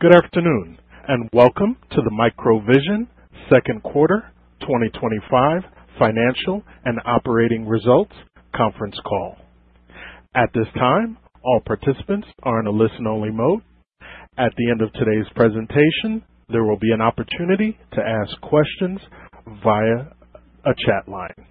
Good afternoon and welcome to the MicroVision Second Quarter 2025 Financial and Operating Results Conference Call. At this time all participants are in a listen-only mode. At the end of today's presentation there will be an opportunity to ask questions via a chat line.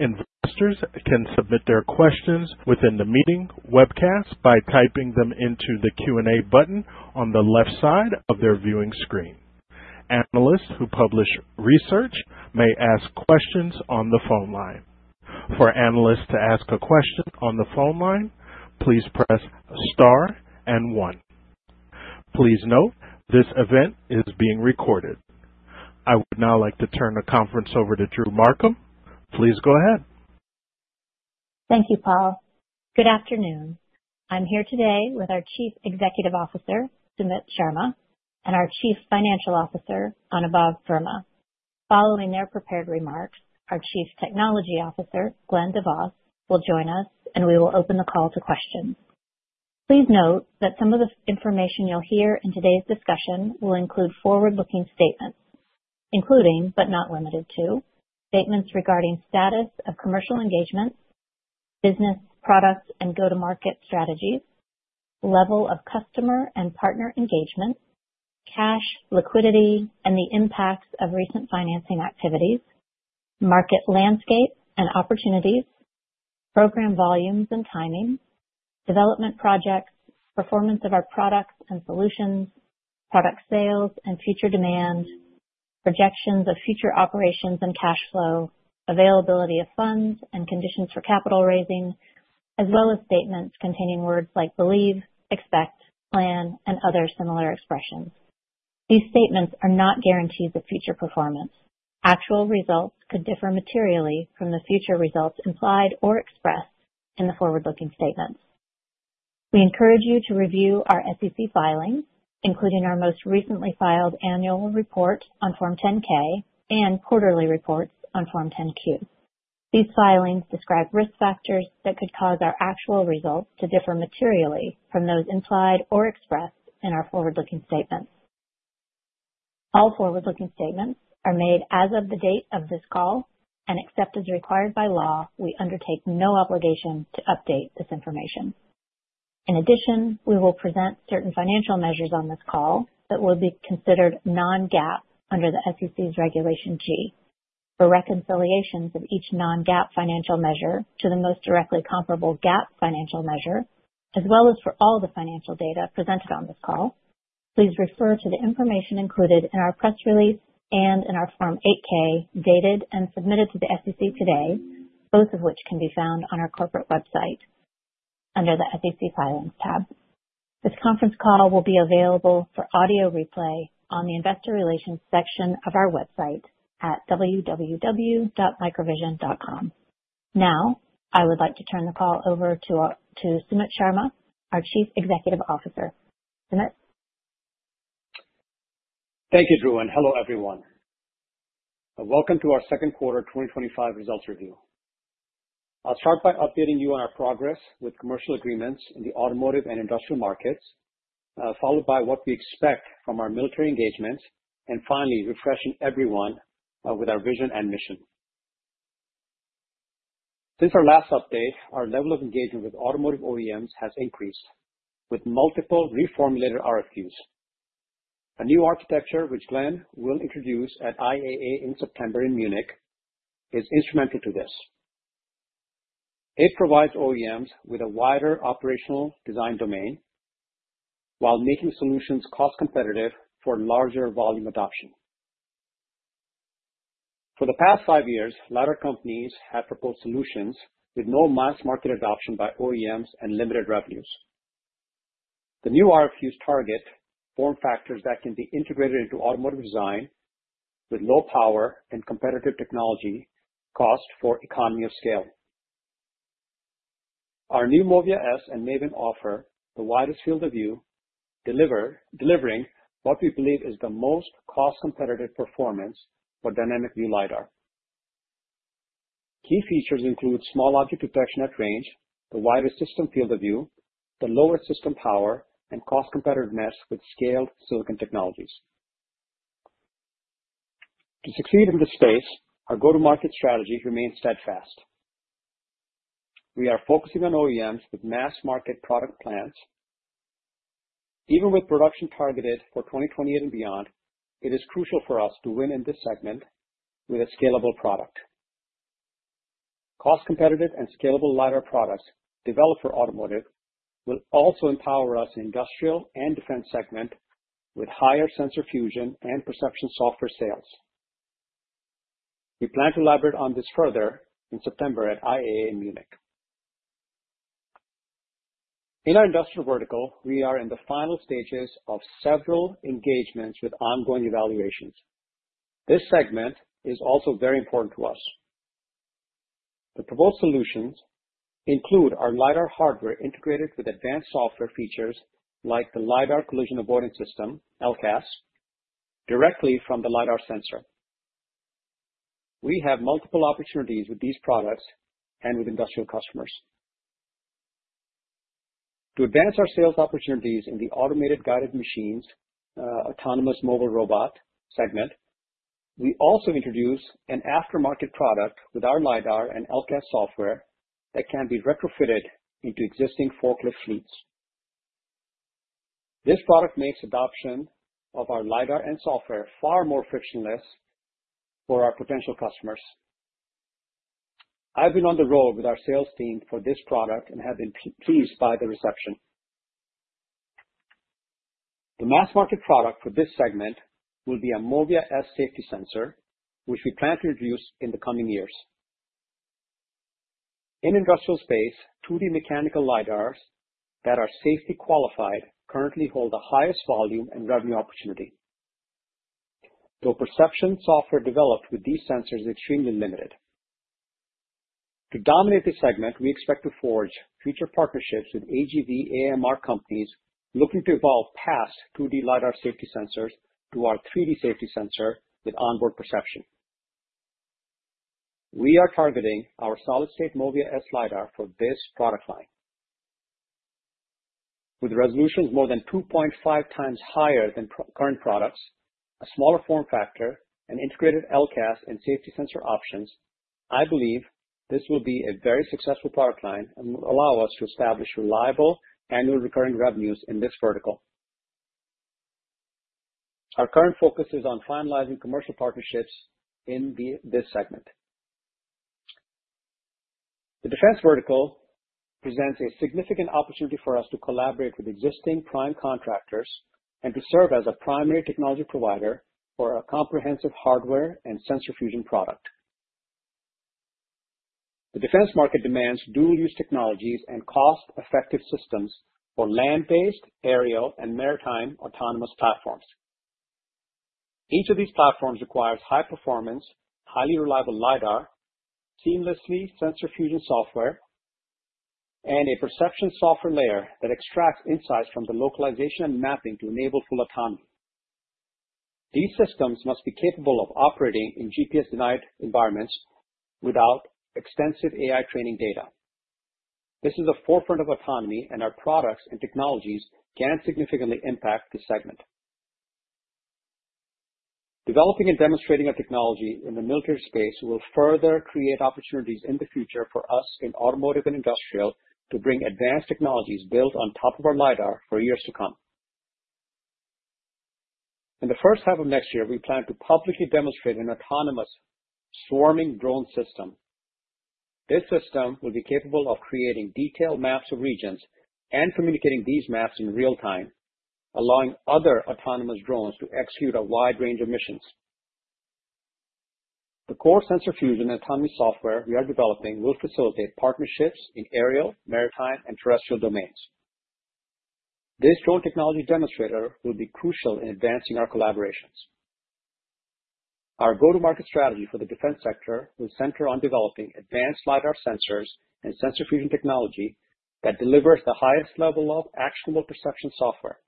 Investors can submit their questions within the meeting webcast by typing them into the Q&A button on the left side of the viewing screen. Analysts who publish research may ask questions on the phone line. For analysts to ask a question on the phone line, please press Star and one. Please note this event is being recorded. I would now like to turn the conference over to Drew Markham. Please go ahead. Thank you. Paul, good afternoon. I'm here today with our Chief Executive Officer Sumit Sharma and our Chief Financial Officer Anubhav Verma. Following their prepared remarks, our Chief Technology Officer Glen DeVos will join us and we will open the call to questions. Please note that some of the information you'll hear in today's discussion will include forward-looking statements, including but not limited to statements regarding status of commercial engagement, business products and go-to-market strategies, level of customer and partner engagement, cash liquidity and the impacts of recent financing activities, market landscape and opportunities, program volumes and timing, development projects, performance of our products and solutions, product sales and future demand, projections of future operations and cash flow, availability of funds and conditions for capital raising, as well as statements containing words like believe, expect, plan and other similar expressions. These statements are not guarantees of future performance. Actual results could differ materially from the future results implied or expressed in the forward-looking statements. We encourage you to review our SEC filings, including our most recently filed Annual Report on Form 10-K and quarterly reports on Form 10-Q. These filings describe risk factors that could cause our actual results to differ materially from those implied or expressed in our forward-looking statements. All forward-looking statements are made as of the date of this call and except as required by law, we undertake no obligation to update this information. In addition, we will present certain financial measures on this call that will be considered non-GAAP under the SEC's Regulation G. For reconciliations of each non-GAAP financial measure to the most directly comparable GAAP financial measure, as well as for all the financial data presented on this call, please refer to the information included in our press release and in our Form 8-K, dated and submitted to the SEC today, both of which can be found on our corporate website under the SEC Filings tab. This conference call will be available for audio replay on the Investor Relations section of our website at www.microvision.com. Now I would like to turn the call over to Sumit Sharma, our Chief Executive Officer. Sumit. Thank you, Drew, and hello everyone. Welcome to our second quarter 2025 results review. I'll start by updating you on our progress with commercial agreements in the automotive and industrial markets, followed by what we expect from our military engagements, and finally refreshing everyone with our vision and mission. Since our last update, our level of engagement with automotive OEMs has increased with multiple reformulated RFQs. A new architecture, which Glen DeVos will introduce at IAA in September in Munich, is instrumental to this. It provides OEMs with a wider operational design domain while making solutions cost competitive for larger volume adoption. For the past five years, LiDAR companies have proposed solutions with no mass market adoption by OEMs and limited revenues. The new RFQs target form factors that can be integrated into automotive design with low power and competitive technology cost for economy of scale. Our new MOVIA S and MAVIN offer the widest field of view, delivering what we believe is the most cost competitive performance for dynamic view LiDAR. Key features include small object detection at range, the wider system field of view, the lower system power, and cost competitiveness with scaled silicon technologies. To succeed in this space, our go-to-market strategy remains steadfast. We are focusing on OEMs with mass market product plans. Even with production targeted for 2028 and beyond, it is crucial for us to win in this segment with a scalable product. Cost competitive and scalable LiDAR products developed for automotive will also empower us in industrial and defense segments with higher sensor fusion and perception software sales. We plan to elaborate on this further in September at IAA in Munich. In our industrial vertical, we are in the final stages of several engagements with ongoing evaluations. This segment is also very important to us. The proposed solutions include our LiDAR hardware integrated with advanced software features like the LiDAR collision avoidance system, LCAS, directly from the LiDAR sensor. We have multiple opportunities with these products and with industrial customers. To advance our sales opportunities in the Automated Guided Machines Autonomous Mobile Robot segment, we also introduce an aftermarket product with our LiDAR and LCAS software that can be retrofitted into existing forklift fleets. This product makes adoption of our LiDAR and software far more frictionless for our potential customers. I've been on the road with our sales team for this product and have been pleased by the reception. The mass market product for this segment will be a MOVIA S safety sensor which we plan to introduce in the coming years in industrial space. 2D mechanical LiDARs that are safety qualified currently hold the highest volume and revenue opportunity. Dope perception software developed with these sensors is extremely limited to dominate this segment. We expect to forge future partnerships with AGV AMR companies looking to evolve past 2D LiDAR safety sensors to our 3D safety sensor with onboard perception. We are targeting our solid state MOVIA S LiDAR for this product line with resolutions more than 2.5 times higher than current products, a smaller form factor, and integrated LCAS and safety sensor options. I believe this will be a very successful product line and will allow us to establish reliable annual recurring revenues in this vertical. Our current focus is on finalizing commercial partnerships in this segment. The defense vertical presents a significant opportunity for us to collaborate with existing prime contractors and to serve as a primary technology provider for a comprehensive hardware and sensor fusion product. The defense market demands dual use technologies and cost effective systems for land based, aerial, and maritime autonomous platforms. Each of these platforms requires high performance, highly reliable LiDAR, seamlessly sensor fusion software, and a perception software layer that extracts insights from the localization and mapping to enable full autonomy. These systems must be capable of operating in GPS denied environments without extensive AI training data. This is the forefront of autonomy and our products and technologies can significantly impact the segment. Developing and demonstrating our technology in the military space will further create opportunities in the future for us in automotive and industrial to bring advanced technologies built on top of our LiDAR for years to come. In the first half of next year we plan to publicly demonstrate an autonomous swarming drone system. This system will be capable of creating detailed maps of regions and communicating these maps in real time, allowing other autonomous drones to execute a wide range of missions. The core sensor fusion autonomy software we are developing will facilitate partnerships in aerial, maritime, and terrestrial domains. This drone technology demonstrator will be crucial in advancing our collaborations. Our go to market strategy for the defense sector will center on developing advanced LiDAR sensors and sensor fusion technology that delivers the highest level of actionable perception software.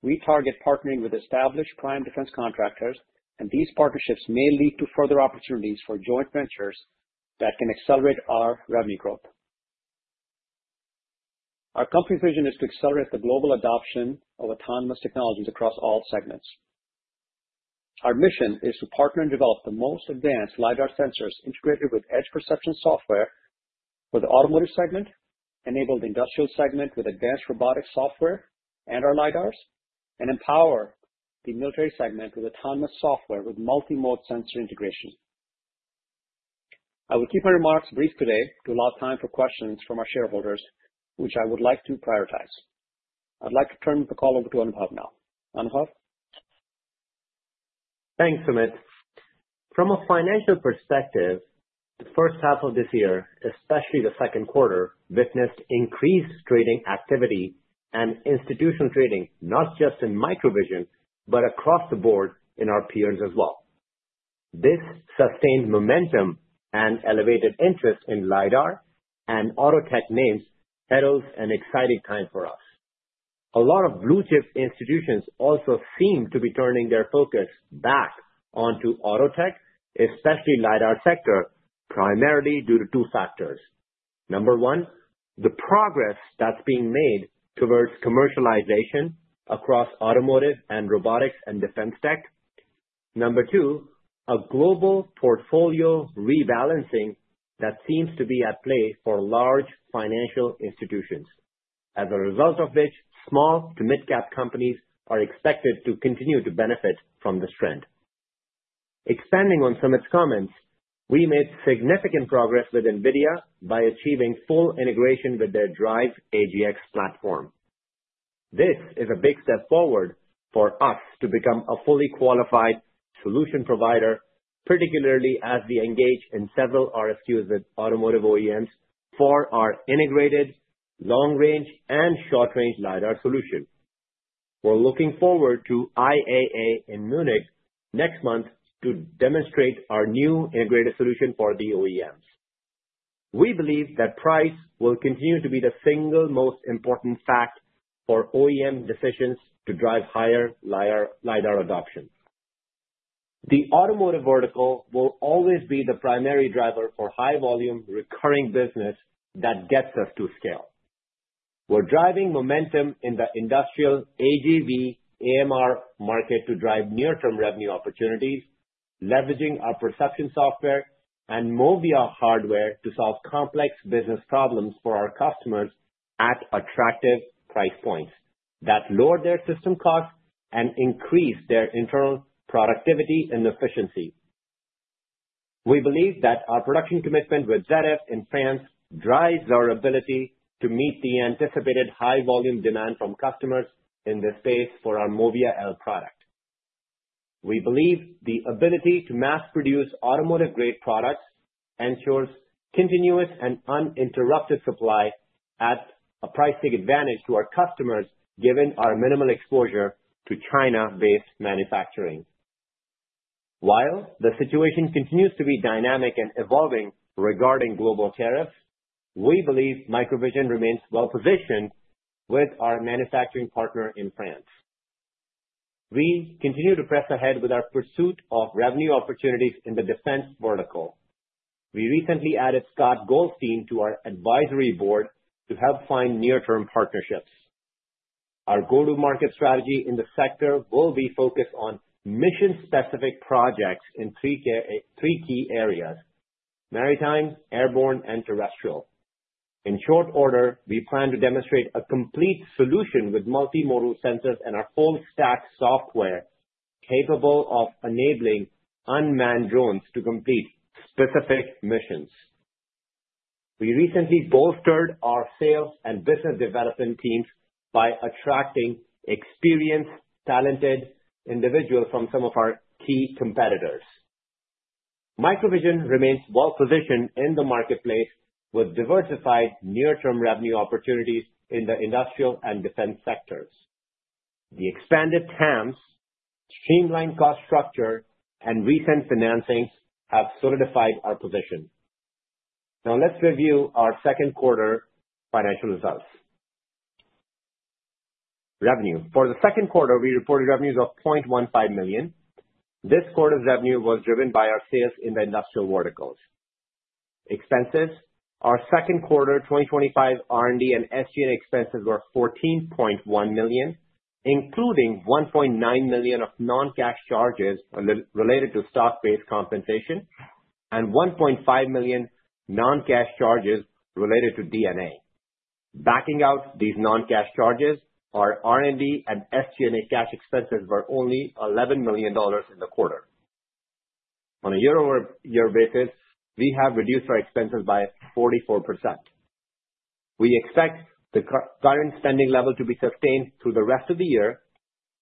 We target partnering with established prime defense contractors and these partnerships may lead to further opportunities for joint ventures that can accelerate our revenue growth. Our company's vision is to accelerate the global adoption of autonomous technologies across all segments. Our mission is to partner and develop the most advanced LiDAR sensors integrated with edge perception software for the automotive segment, enable the industrial segment with advanced robotics software and our LiDARs, and empower the military segment with autonomy software with multimode sensor integration. I will keep my remarks brief today to allow time for questions from our shareholders which I would like to prioritize. I'd like to turn the call over to Anubhav now Anubhav. Thanks, Sumit. From a financial perspective, the first half of this year, especially the second quarter, witnessed increased trading activity and institutional trading not just in MicroVision but across the board in our peers as well. This sustained momentum and elevated interest in LiDAR and auto tech names heralds an exciting time for us. A lot of blue chip institutions also seem to be turning their focus back onto auto tech, especially the LiDAR sector, primarily due to two factors. Number one, the progress that's being made towards commercialization across automotive and robotics and defense tech. Number two, a global portfolio rebalancing that seems to be at play for large financial institutions as a result of which small to mid cap companies are expected to continue to benefit from this trend. Expanding on Sumit's comments, we made significant progress with Nvidia by achieving full integration with their Drive AGX platform. This is a big step forward for us to become a fully qualified solution provider, particularly as we engage in several RFQs with automotive OEMs for our integrated long range and short range LiDAR solution. We're looking forward to IAA in Munich next month to demonstrate our new integrated solution for the OEMs. We believe that price will continue to be the single most important factor for OEM decisions to drive higher LiDAR adoption. The automotive vertical will always be the primary driver for high volume recurring business that gets us to scale. We're driving momentum in the industrial AGV AMR market to drive near term revenue opportunities, leveraging our perception software and MOVIA hardware to solve complex business problems for our customers at attractive price points that lower their system costs and increase their internal productivity and efficiency. We believe that our production commitment with ZF in France drives our ability to meet the anticipated high volume demand from customers in this space for our MOVIA L product. We believe the ability to mass produce automotive grade products ensures continuous and uninterrupted supply as a pricing advantage to our customers given our minimal exposure to China-based manufacturing. While the situation continues to be dynamic and evolving regarding global tariffs, we believe MicroVision remains well positioned with our manufacturing partner in France. We continue to press ahead with our pursuit of revenue opportunities in the defense vertical. We recently added Scott Goldstein to our advisory board to help find near term partnerships. Our go to market strategy in the sector will be focused on mission specific projects in three key areas, maritime, airborne, and terrestrial. In short order, we plan to demonstrate a complete solution with multimodal sensors and our full stack software capable of enabling unmanned drones to complete specific missions. We recently bolstered our sales and business development teams. By attracting experienced, talented individuals from some of our key competitors, MicroVision remains well positioned in the marketplace with diversified near term revenue opportunities in the industrial and defense sectors. The expanded teams, streamlined cost structure, and recent financings have solidified our position. Now let's review our second quarter financial results. Revenue for the second quarter, we reported revenues of $0.15 million. This quarter's revenue was driven by our sales in the industrial verticals. Expenses. Our second quarter 2025 R&D and SG&A expenses were $14.1 million, including $1.9 million of non-cash charges related to stock-based compensation and $1.5 million non-cash charges related to D&A. Backing out these non-cash charges, our R&D and SG&A cash expenses were only $11 million in the quarter. On a year-over-year basis, we have reduced our expenses by 44%. We expect the current spending level to be sustained through the rest of the year.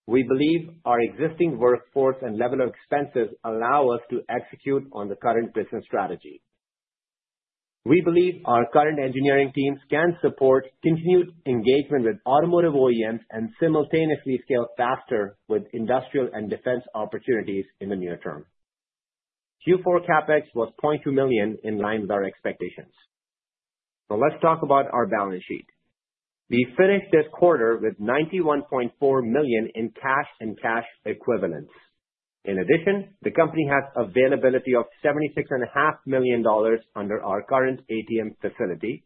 We believe our existing workforce and level of expenses allow us to execute on the current business strategy. We believe our current engineering teams can support continued engagement with automotive OEMs and simultaneously scale faster with industrial and defense opportunities in the near term. Q4 CapEx was $0.2 million, in line with our expectations. Now let's talk about our balance sheet. We finished this quarter with $91.4 million in cash and cash equivalents. In addition, the company has availability of $76.5 million under our current ATM facility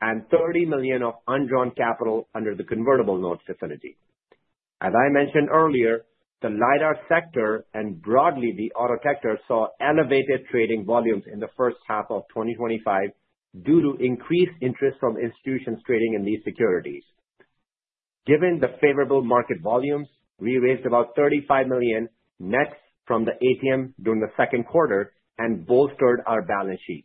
and $30 million of undrawn capital under the convertible note facility. As I mentioned earlier, the LiDAR sector and broadly the auto sector saw elevated trading volumes in the first half of 2025 due to increased interest from institutions trading in these securities. Given the favorable market volume, we raised about $35 million net from the ATM during the second quarter and bolstered our balance sheet.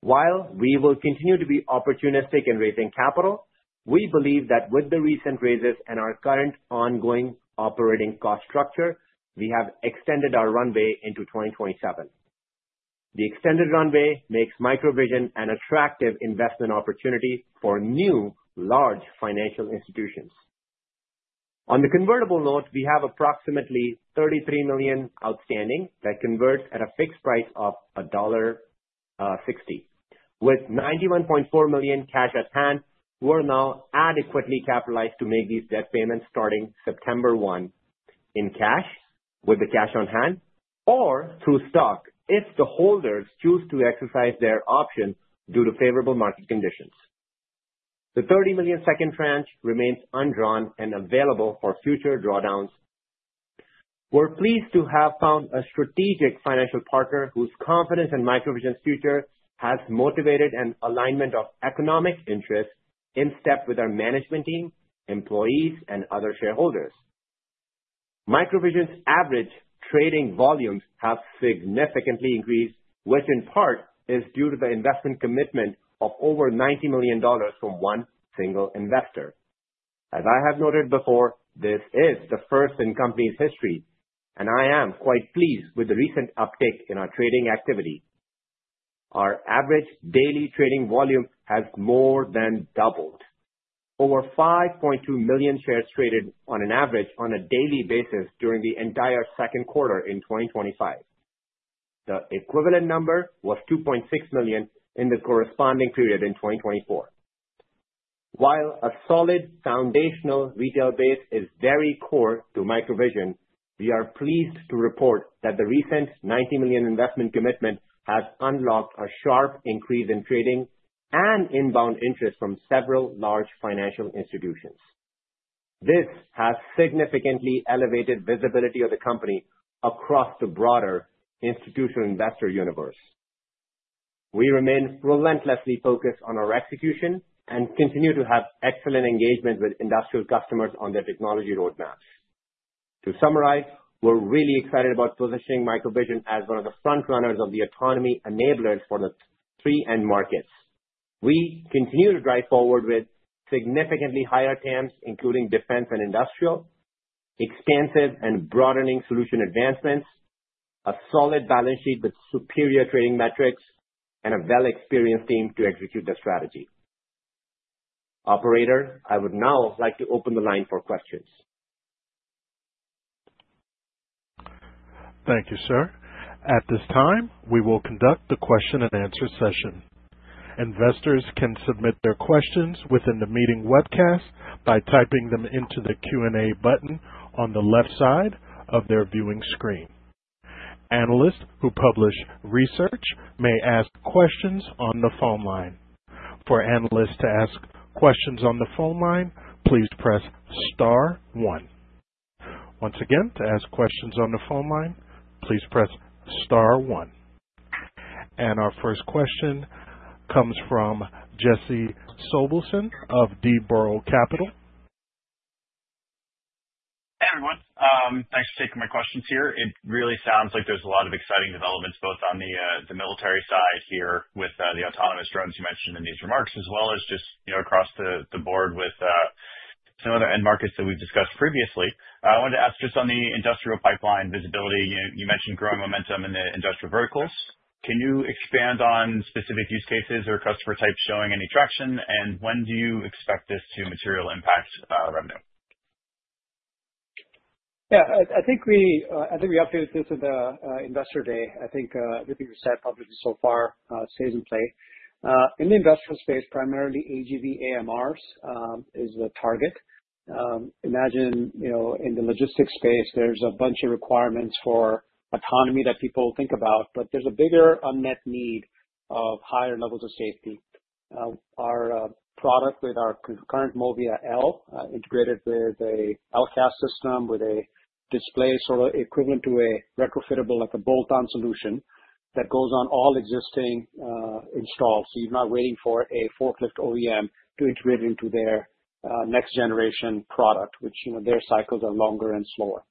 While we will continue to be opportunistic in raising capital, we believe that with the recent raises and our current ongoing operating cost structure, we have extended our runway into 2027. The extended runway makes MicroVision an attractive investment opportunity for new large financial institutions. On the convertible note, we have approximately $33 million outstanding that converts at a fixed price of $1.60. With $91.4 million cash at hand, we're now adequately capitalized to make these debt payments starting September 1st in cash with the cash on hand or through stock if the holders choose to exercise their option. Due to favorable market conditions, the $30 million second tranche remains undrawn and available for future drawdowns. We're pleased to have found a strategic financial partner whose confidence in MicroVision's future has motivated an alignment of economic interests. In step with our management team, employees, and other shareholders, MicroVision's average trading volumes have significantly increased, which in part is due to the investment commitment of over $90 million from one single investor. As I have noted before, this is the first in company's history and I am quite pleased with the recent uptick in our trading activity. Our average daily trading volume has more than doubled, over 5.2 million shares traded on an average on a daily basis during the entire second quarter in 2025. The equivalent number was 2.6 million in the corresponding period in 2024. While a solid foundational retail base is very core to MicroVision, we are pleased to report that the recent $90 million investment commitment has unlocked a sharp increase in trading and inbound interest from several large financial institutions. This has significantly elevated visibility of the company across the broader institutional investor universe. We remain relentlessly focused on our execution and continue to have excellent engagement with industrial customers on their technology roadmaps. To summarize, we're really excited about positioning MicroVision as one of the frontrunners of the autonomy enablers for the three end markets. We continue to drive forward with significantly higher TAMs, including defense and industrial, expansive and broadening solution advancements, a solid balance sheet with superior trading metrics, and a well-experienced team to execute the strategy. Operator, I would now like to open the line for questions. Thank you, sir. At this time, we will conduct the question-and-answer session. Investors can submit their questions within the meeting webcast by typing them into the Q and A button on the left side of their viewing screen. Analysts who publish research may ask questions on the phone line. For analysts to ask questions on the phone line, please press Star one. Once again, to ask questions on the phone line, please press Star one. Our first question comes from Jesse Sobelson of D. Boral Capital. Everyone, thanks for taking my questions here. It really sounds like there's a lot of exciting developments both on the military side here with the autonomous drones you mentioned in these remarks as well as just across the board with some other end markets that we've discussed previously. I wanted to ask just on the industrial pipeline visibility, you mentioned growing momentum in the industrial verticals. Can you expand on specific use cases or customer types showing any traction? When do you expect this to material impact revenue? Yeah, I think we updated this in the investor day. I think everything we said publicly so far stays in play in the industrial space, primarily AGV, AMRs is the target. Imagine in the logistics space, there's a bunch of requirements for autonomy that people think about, but there's a bigger unmet need of higher levels of safety. Our product with our concurrent MOVIA L integrated with a LCAS system with a display, sort of equivalent to a retrofittable, like a bolt-on solution that goes on all existing installs. You're not waiting for a forklift OEM to integrate into their next generation product, which their cycles are longer and slower.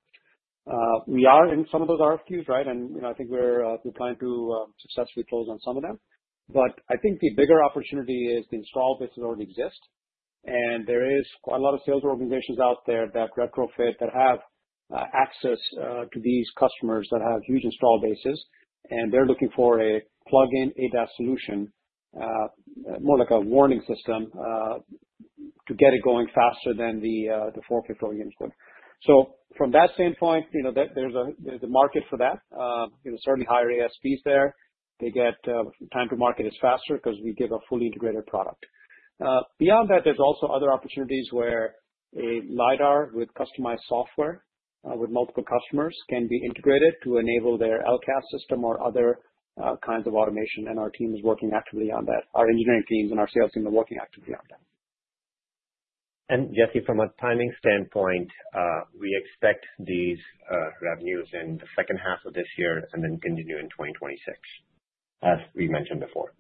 We are in some of those RFQs, right? I think we're trying to successfully close on some of them. I think the bigger opportunity is the install base that already exists. There is quite a lot of sales organizations out there that retrofit, that have access to these customers that have huge install bases, and they're looking for plug-in ADAS solution, more like a warning system to get it going faster than the 4K plug-in code. From that standpoint, there's a market for that, certainly higher ASPs there, the time to market is faster because we give a fully integrated product. Beyond that, there's also other opportunities where a LiDAR with customized software with multiple customers can be integrated to enable their LCAS system or other kinds of automation. Our team is working actively on that, our engineering teams and our sales team are working actively on that. Jesse, from a timing standpoint, we expect these revenues in the second half of this year and then continue in. 2026 as we mentioned before.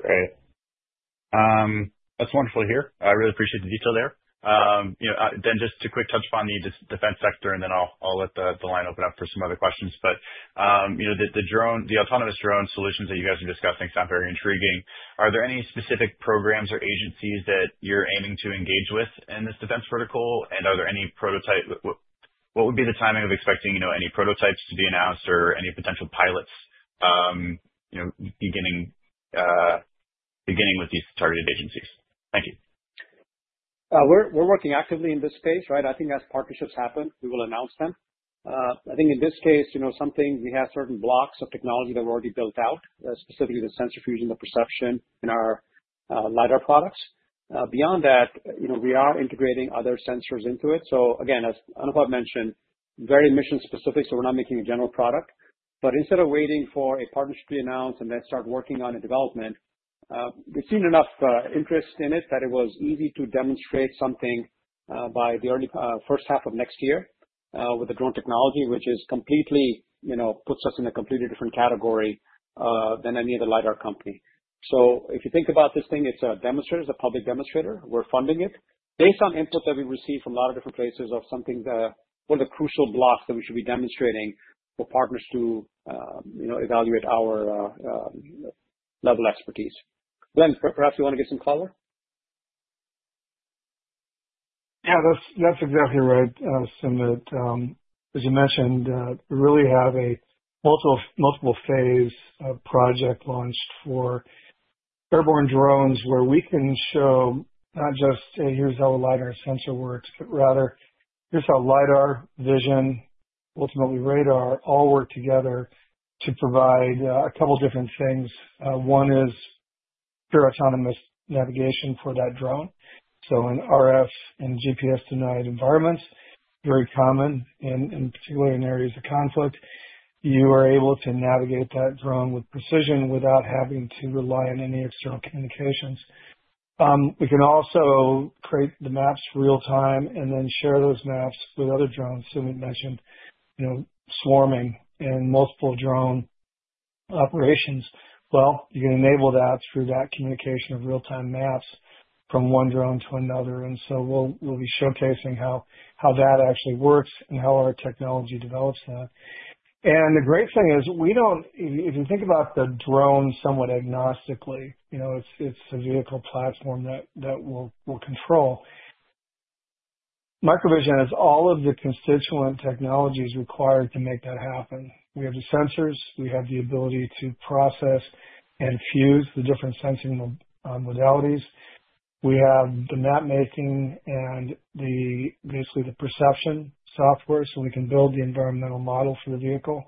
Great, that's wonderful to hear. I really appreciate the detail there. You know, just to quick touch upon the defense sector, I'll let the line open up for some other questions. You know, the autonomous drone solutions that you guys are discussing sound very intriguing. Are there any specific programs or agencies that you're aiming to engage with in this defense vertical? Are there any prototype? What would be the timing of expecting any prototypes to be announced or any potential pilots beginning? Beginning with these targeted agencies. Thank you. We're working actively in this space, right. I think as partnerships happen, we will announce them. I think in this case, you know, we have certain blocks of technology that we've already built out, specifically the sensor fusion, the perception in our LiDAR products. Beyond that, you know, we are integrating other sensors into it. Again, as Anubhav mentioned, very mission specific. We're not making a general product. Instead of waiting for a partnership to be announced and then start working on a development, we've seen enough interest in it that it was easy to demonstrate something by the early first half of next year with the drone technology, which completely, you know, puts us in a completely different category than any other LiDAR company. If you think about this thing, it's a demonstrator, a public demonstrator. We're funding it based on input that we receive from a lot of different places of something that one of the crucial blocks that we should be demonstrating for partners to, you know, evaluate our level of expertise. Glen, perhaps you want to get some color. Yeah, that's exactly right. Sumit, as you mentioned, really have a multiple phase project launched for airborne drones where we can show not just here's how a LiDAR sensor works, but rather just how LiDAR vision, ultimately radar, all work together to provide a couple different things. One is pure autonomous navigation for that drone. In RF and GPS denied environments, very common in particular in areas of conflict, you are able to navigate that drone with precision without having to rely on any external communications. We can also create the maps real time and then share those maps with other drones. Sumit mentioned swarming and multiple drone operations. You can enable that through that communication of real time maps from one drone to another. We'll be showcasing how that actually works and how our technology develops that. The great thing is we don't even think about the drone somewhat agnostically. It's a vehicle platform that we will control. MicroVision has all of the constituent technologies required to make that happen. We have the sensors, we have the ability to process and fuse the different sensing modalities, we have the map making and basically the perception software. We can build the environmental model for the vehicle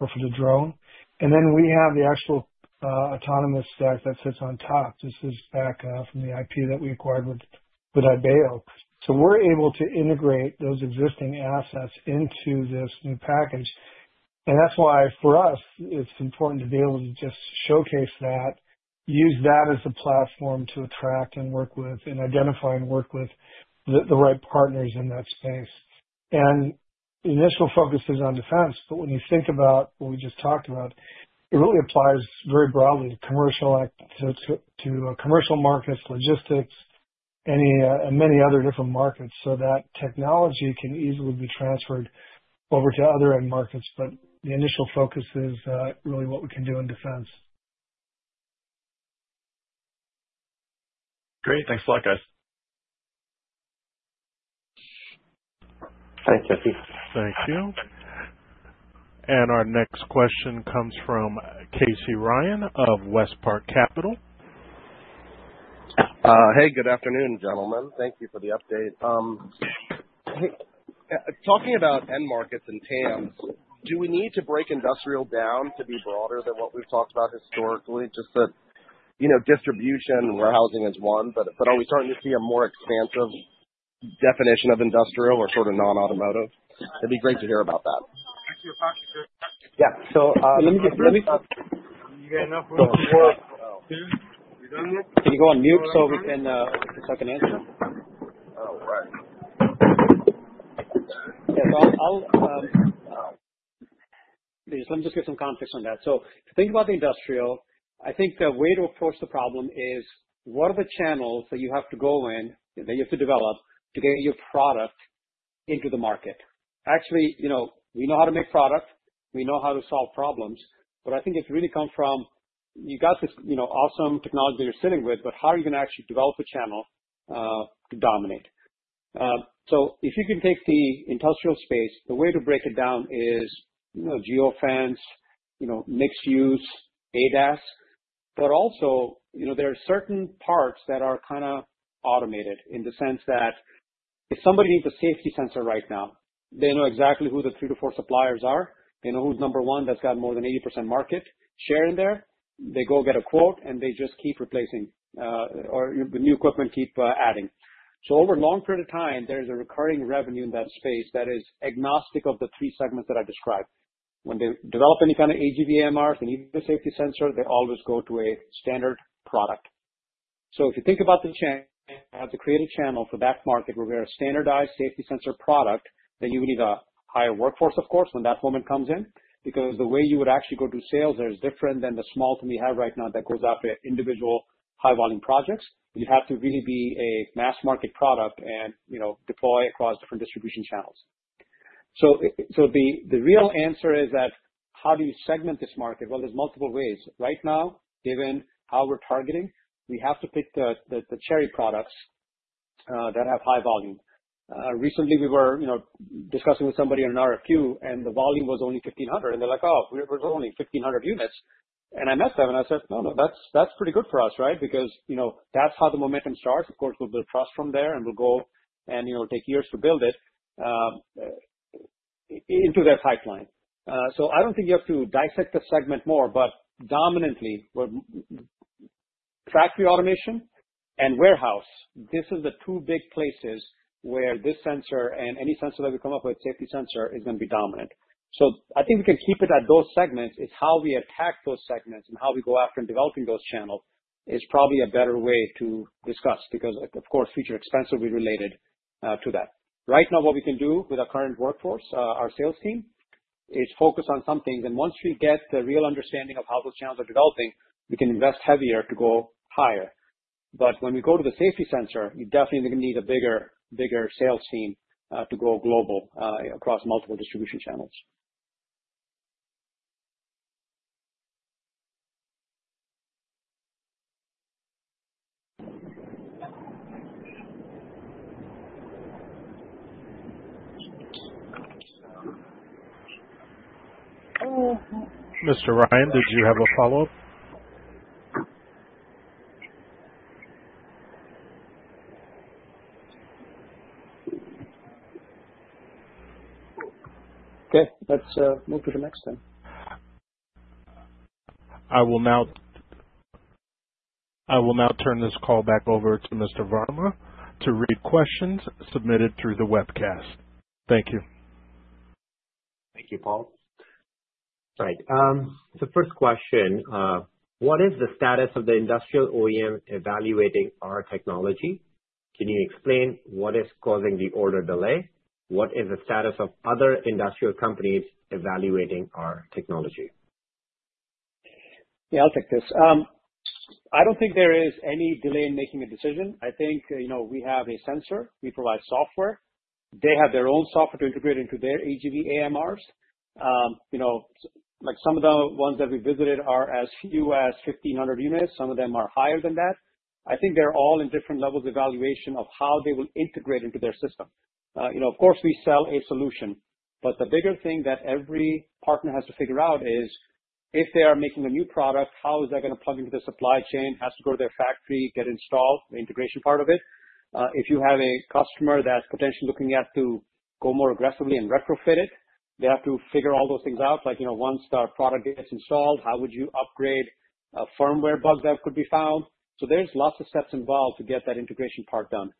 or for the drone and then we have the actual autonomous stack that sits on top. This is back from the IP that we acquired with Ibeo. We're able to integrate those existing assets into this new package. That's why for us it's important to be able to just showcase that, use that as a platform to attract and work with and identify and work with the right partners in that space. The initial focus is on defense. When you think about what we just talked about, it really applies very broadly to commercial markets, logistics, and many other different markets so that technology can easily be transferred over to other end markets. The initial focus is really what we can do in defense. Great, thanks a lot, guys. Thanks Jesse. Thank you. Our next question comes from Casey Ryan of West Park Capital. Hey, good afternoon, gentlemen. Thank you for the update. Hey, talking about end markets and TAMs, do we need to break industrial down to be broader than what we've talked about historically? Just that, you know, distribution, warehousing is one. Are we starting to see a more expansive definition of industrial or sort of non-automotive? It'd be great to hear about that. Yeah. Let me just, you gotta know who. Can you go on mute so we can answer? Oh, right. Yeah. Let me just get some context on that. To think about the industrial, I think the way to approach the problem is what are the channels that you have to go in, that you have to develop to get your product into the market? Actually, you know, we know how to make product, we know how to solve problems. I think it's really come from you got this awesome technology you're sitting with, but how are you going to actually develop a channel to dominate? If you can take the industrial space, the way to break it down is geofence, mixed use ADAS. There are certain parts that are kind of automated in the sense that if somebody needs a safety sensor right now, they know exactly who the three to four suppliers are. They know who's number one that's got more than 80% market share in there. They go get a quote and they just keep replacing or the new equipment keep adding. Over a long period of time there is a recurring revenue in that space that is agnostic. Of the three segments that I described, when they develop any kind of AGV or AMR, if they need a safety sensor, they always go to a standard product. If you think about the channel, to create a channel for that market, they want a standardized safety sensor product, then you need a higher workforce, of course, when that moment comes in because the way you would actually go to sales there is different than the small thing we have right now that goes after individual high volume projects. You have to really be a mass market product and deploy across different distribution channels. The real answer is that how do you segment this market? There's multiple ways right now given how we're targeting, we have to pick the cherry. Products that have high volume. Recently we were, you know, discussing with somebody in RFQ and the volume was only 1,500. They're like, oh, there's only 1,500 units. I met them and I said, no, no, that's pretty good for us, right? Because you know, that's how the momentum starts. Of course we'll build trust from there and we'll go and take years to build it into that pipeline. I don't think you have to dissect the segment more, but dominantly, factory automation and warehouse, this is the two big places where this sensor and any sensor that we come up with, safety sensor, is going to be dominant. I think we can keep it at those segments. It's how we attack those segments and how we go after developing those channels is probably a better way to discuss, because of course future expense will be related to that. Right now, what we can do with our current workforce, our sales team, is focus on something. Once we get the real understanding of how those channels are developing, we can invest heavier to go higher. When we go to the safety sensor, you definitely need a bigger, bigger sales team to go global across multiple distribution channels. Mr. Ryan, did you have a follow-up? Okay, let's move to the next thing. I will now turn. This call back over to Mr. Verma to read questions submitted through the webcast. Thank you. Thank you, Paul. All right, first question. What is the status of the industrial OEM evaluating our technology? Can you explain what is causing the order delay? What is the status of other industrial companies evaluating our technology? Yeah, I'll take this. I don't think there is any delay in making a decision. I think, you know, we have a sensor, we provide software, they have their own software to integrate into their AGV AMRs. Some of the ones that we visited are as few as 1,500 units. Some of them are higher than that. I think they're all in different levels of evaluation of how they will integrate into their system. Of course, we sell a solution. The bigger thing that every partner has to figure out is if they are making a new product, how is that going to plug into the supply chain, has to go to their factory, get installed. The integration part of it, if you have a customer that's potentially looking to go more aggressively and retrofit it, they have to figure all those things out. Once our product gets installed, how would you upgrade a firmware bug that could be found? There are lots of steps involved to get that integration part done.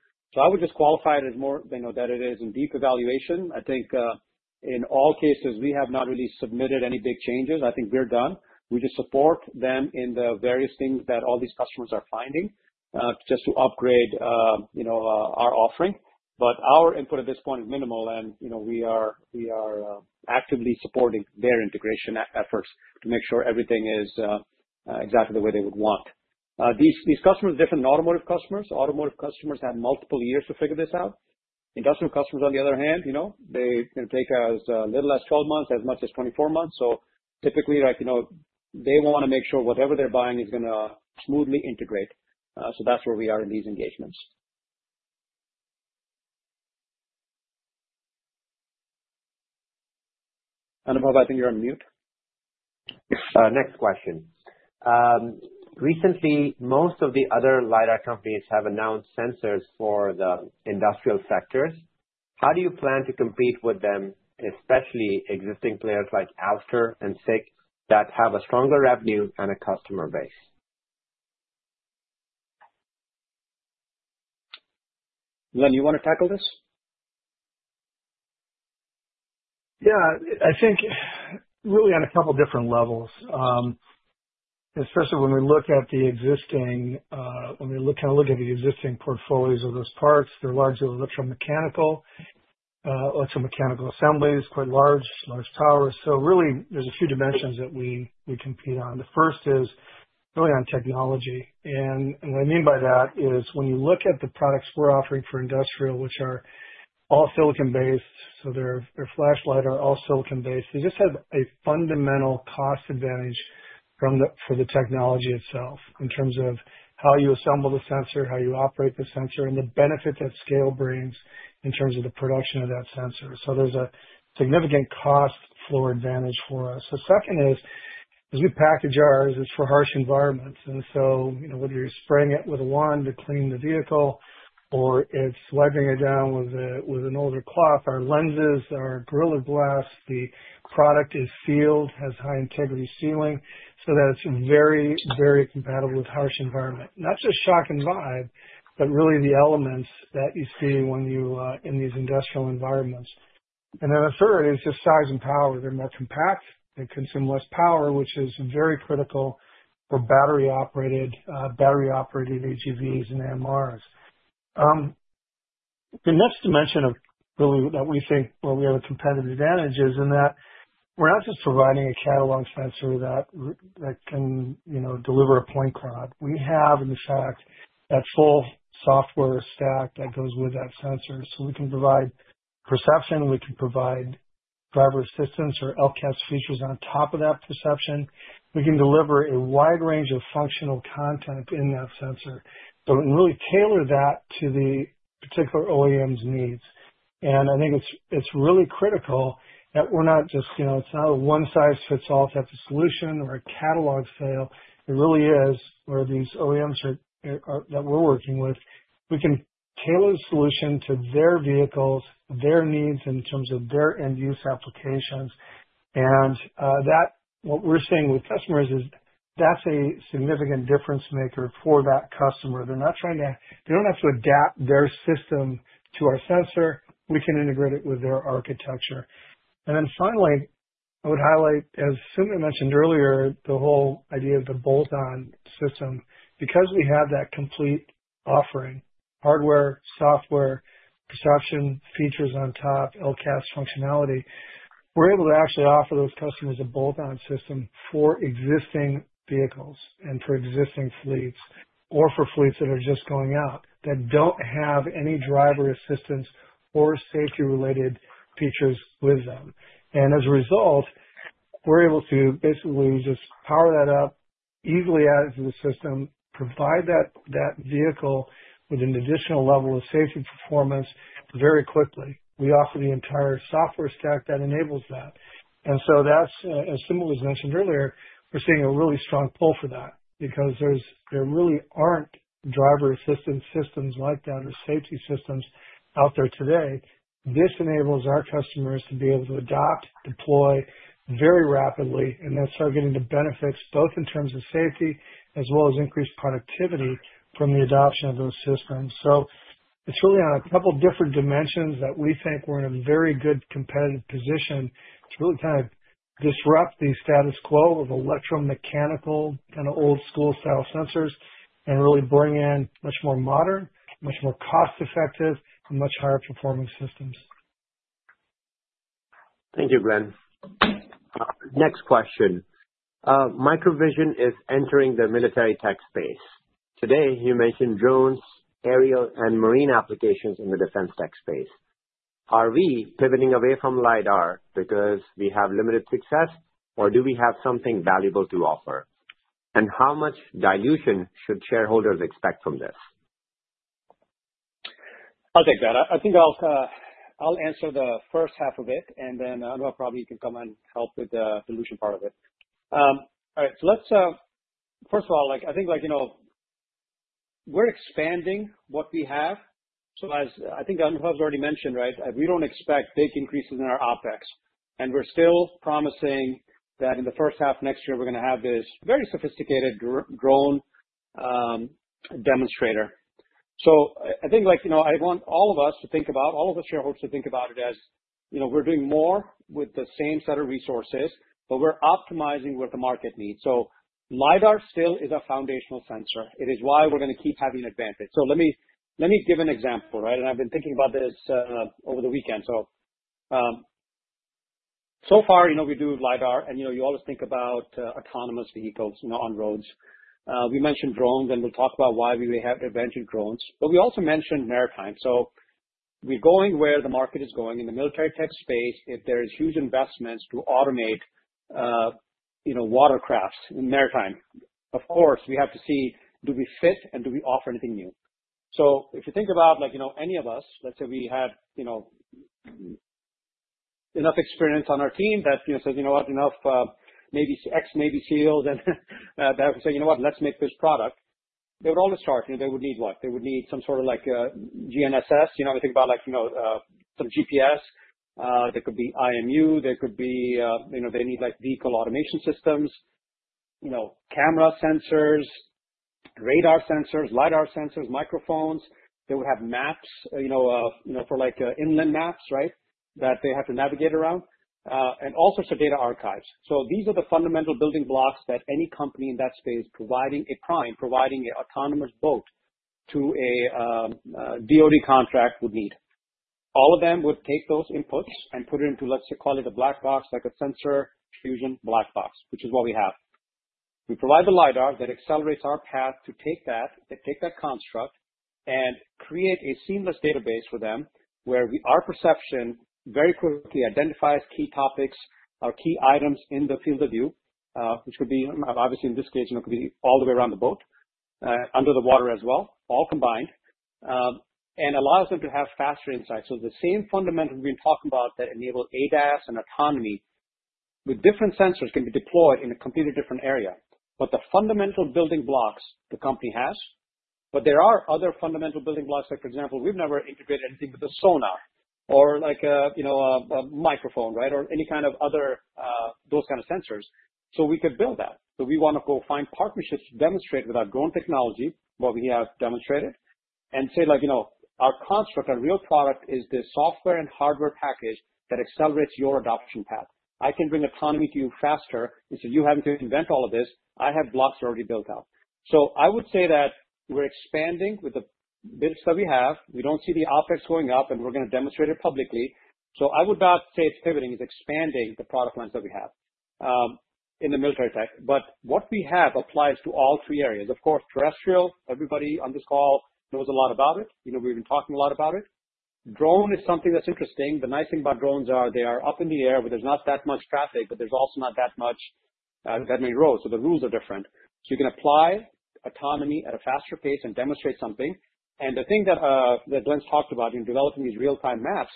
I would just qualify it as more that it is in deep evaluation. I think in all cases we have not really submitted any big changes. I think we're done. We just support them in the various things that all these customers are finding just to upgrade our offering. Our input at this point is minimal. We are actively supporting their integration efforts to make sure everything is exactly the way they would want. These customers are different than automotive customers. Automotive customers have multiple years to figure this out. Industrial customers, on the other hand, take as little as 12 months, as much as 24 months. Typically, they want to make sure whatever they're buying is going to smoothly integrate. That's where we are in these engagements. Anubhav, I think you're on mute. Next question. Recently most of the other LiDAR companies have announced sensors for the industrial sectors. How do you plan to compete with them? Especially existing players like Alistair and Sick that have a stronger revenue and a customer base. Glen, you want to tackle this? Yeah, I think really on a couple of different levels. Especially when we look at the existing portfolios of those parts, they're largely electromechanical assemblies, quite large, large towers. There are a few dimensions that we compete on. The first is really on technology, and what I mean by that is when you look at the products we're offering for industrial, which are all silicon based, their flashlight are all silicon based, they just have a fundamental cost advantage for the technology itself in terms of how you assemble the sensor, how you operate the sensor, and the benefit that scale brings in terms of the production of that sensor. There's significant cost floor advantage for us. The second is as we package ours, it's for harsh environments, and whether you're spraying it with a wand to clean the vehicle or it's wiping it down with an older cloth. Our lenses are gorilla glass, the product is sealed, has high integrity sealing so that it's very, very compatible with harsh environment. Not just shock and vibe but really the elements that you see when you are in these industrial environments. The third is just size and power. They're now compact, they consume less power, which is very critical for battery operated AGVs and misters. The next dimension that we think we have a competitive advantage is in that we're not just providing a catalog sensor that can deliver a point cloud. We have in fact that full software stack that goes with that sensor. We can provide perception, we can provide driver assistance or LCAS features. On top of that perception, we can deliver a wide range of functional content in that sensor. We really tailor that to the particular OEM's needs, and I think it's really critical that we're not just, you know, it's not a one size fits all type of solution or a catalog fail. It really is where these OEMs that we're working with, we can tailor the solution to their vehicles, their needs, in terms of their end use applications. What we're seeing with customers is that's a significant difference maker for that customer. They're not trying to, they don't have to adapt their system to our sensor. We can integrate it with their architecture. Finally, I would highlight as soon as I mentioned earlier the whole idea of the bolt on system. Because we have that complete offering, hardware, software, disruption features on top, LCAS functionality, we're able to actually offer those customers a bolt-on system for existing vehicles and for existing fleets or for fleets that are just going out that don't have any driver assistance or safety-related features with them. As a result, we're able to basically just power that up, easily add it to the system, provide that vehicle with an additional level of safety performance. Very quickly, we offer the entire software stack that enables that. It's as simple as mentioned earlier, we're seeing a really strong pull for that because there really aren't driver assistance systems like that. There are safety systems out there today. This enables our customers to be able to adopt, deploy very rapidly, and that's targeting the benefits both in terms of safety as well as increased productivity from the adoption of those systems. It's really on a couple different dimensions that we think we're in a very good competitive position to really kind of disrupt the status quo of electromechanical, kind of old school style sensors, and really bring in much more modern, much more cost-effective, much higher performing systems. Thank you, Glen. Next question. MicroVision is entering the military tech space today. You mentioned drones, aerial and marine applications in the defense tech space. Are we pivoting away from LiDAR because we have limited success or do we have something valuable to offer? How much dilution should shareholders expect from this? I'll take that. I think I'll answer the first half of it and then probably you can come and help with the solution part of it. All right, let's first of all, I think, like, you know, we're expanding what we have. As I think already mentioned, right, we don't expect big increases in our OpEx and we're still promising that in the first half next year we're going to have this very sophisticated drone demonstrator. I want all of us to think about, all of the shareholders to think about it as, you know, we're doing more with the same set of resources, but we're optimizing what the market needs. LiDAR still is a foundational sensor. It is why we're going to keep having advantage. Let me give an example, right. I've been thinking about this over the weekend. So far, you know, we do LiDAR and you know, you always think about autonomous vehicles on roads. We mentioned drones and we'll talk about why we have invented drones, but we also mentioned maritime. We're going where the market is going in the military tech space. If there is huge investments to automate, you know, watercrafts in maritime, of course we have to see do we fit and do we offer anything new. If you think about, like, you know, any of us, let's say we had, you know, enough experience on our team that, you know, says, you know what, enough, maybe ex-Navy SEALs and that say, you know what, let's make this product. They would always charge you. They would need what they would need some sort of GNSS, you know, they think about, like, you know, some GPS. There could be IMU, there could be, you know, they need vehicle automation systems, you know, camera sensors, radar sensors, LiDAR sensors, microphones. They would have maps, you know, for inland maps, right, that they have to navigate around and all sorts of data archives. These are the fundamental building blocks that any company in that space providing a prime, providing an autonomous boat to a DOD contract would need. All of them would take those inputs and put it into, let's say, call it a black box, like a sensor fusion black box, which is what we have. We provide the LiDAR that accelerates our path to take that construct and create a seamless database for them where we are. Perception very quickly identifies key topics, our key items in the field of view, which could be obviously in this case, all the way around the boat, under the water as well, all combined and allows them to have faster insight. The same fundamentals we've been talking about that enable ADAS and autonomy with different sensors can be deployed in a completely different area. The fundamental building blocks the company has, but there are other fundamental building blocks, like for example, we've never integrated anything but the sonar or, like, you know, a microphone, right, or any kind of other, those kind of sensors. We could build that. We want to go find partnerships to demonstrate with our grown technology what we have demonstrated and say, like, you know, our construct, our real product is this software and hardware package that accelerates your adoption path. I can bring autonomy to you faster. Instead you have to invent all of this. I have blocks already built out. I would say that we're expanding with the bits that we have. We don't see the OpEx going up and we're going to demonstrate it publicly. I would not say it's pivoting, it's expanding the product lines that we have in the military tech. What we have applies to all three areas, of course, terrestrial. Everybody on this call knows a lot about it. You know, we've been talking a lot about it. Drone is something that's interesting. The nice thing about drones are they are up in the air where there's not that much traffic, but there's also not that much that may row. The rules are different. You can apply autonomy at a faster pace and demonstrate something. The thing that Glen's talked about in developing these real time maps,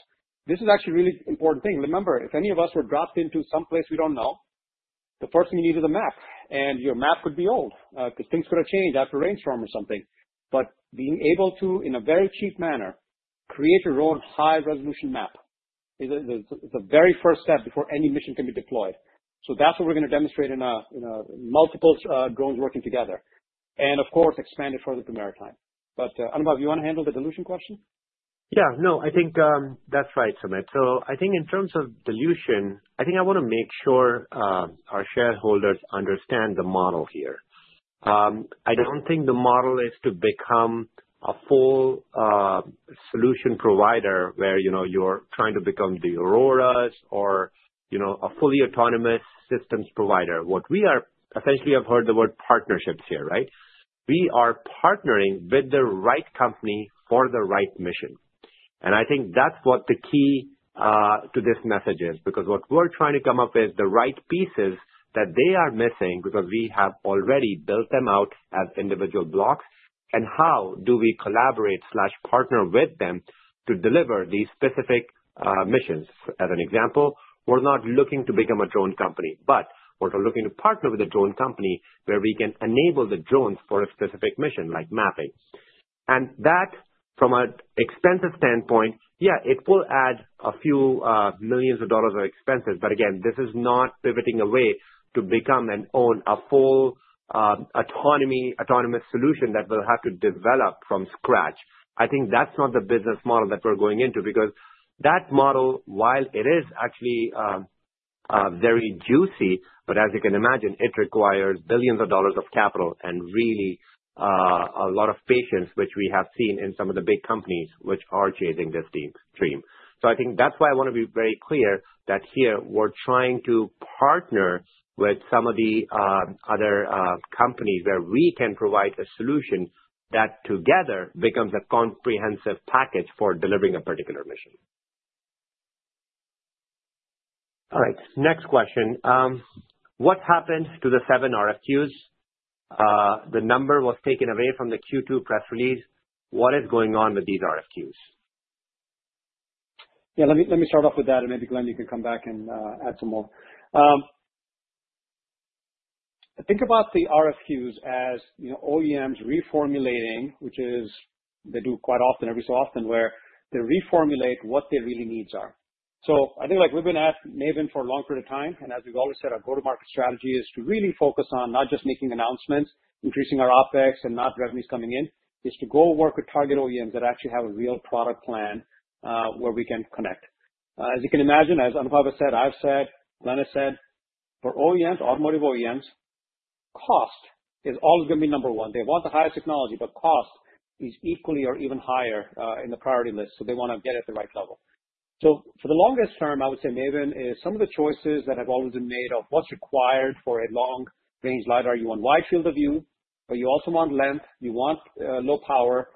this is actually really important thing. Remember, if any of us were dropped into someplace we don't know, the first thing you need is a map. Your map could be old, things could have changed after rainstorm or something. Being able to, in a very cheap manner, create your own high resolution map, the very first step before any mission can be deployed. That's what we're going to demonstrate in multiple drones working together and of course expand it further to maritime. Anubhav, you want to handle the dilution question? Yeah, no, I think that's right, Sumit. I think in terms of dilution, I want to make sure our shareholders understand the model here. I don't think the model is to become a full solution provider where you're trying to become the Auroras or a fully autonomous systems provider. What we essentially have heard is the word partnerships here. We are partnering with the right company for the right mission. I think that's what the key to this message is, because what we're trying to come up with is the right pieces that they are missing because we have already built them out as individual blocks. How do we collaborate, partner with them to deliver these specific missions? As an example, we're not looking to become a drone company, but we're looking to partner with a drone company where we can enable the drones for a specific mission like mapping. From an expense standpoint, yeah, it will add a few millions of dollars of expenses. Again, this is not pivoting away to become and own a full autonomy autonomous solution that will have to develop from scratch. I think that's not the business model that we're going into because that model, while it is actually very juicy, as you can imagine it requires billions of dollars of capital and really a lot of patience, which we have seen in some of the big companies which are chasing this dream. I want to be very clear that here we're trying to partner with some of the other companies where we can provide a solution that together becomes a comprehensive package for delivering a particular mission. All right, next question. What happened to the seven RFQs? The number was taken away from the Q2 press release. What is going on with these RFQs? Yeah, let me start off with that and maybe Glen, you could come back and add some more. Think about the RFQs as you know OEMs reformulating, which is they do quite often, every so often where they reformulate what their really needs are. I think like we've been at MAVIN for a long period of time and as we've always said our go to market strategy is to really focus on not just making announcements, increasing our OpEx and not revenues coming in, is to go work with target OEMs that actually have a real product plan where we can connect. As you can imagine, as Anubhav said, I've said, Glen has said for OEMs, automotive OEMs, cost is always going to be number one. They want the highest technology but cost is equally or even higher in the priority list. They want to get at the right level. For the longest term I would say MAVIN is some of the choices that have always been made of what's required for a long time range LiDAR, you want wide field of view but you also want length, you want low power.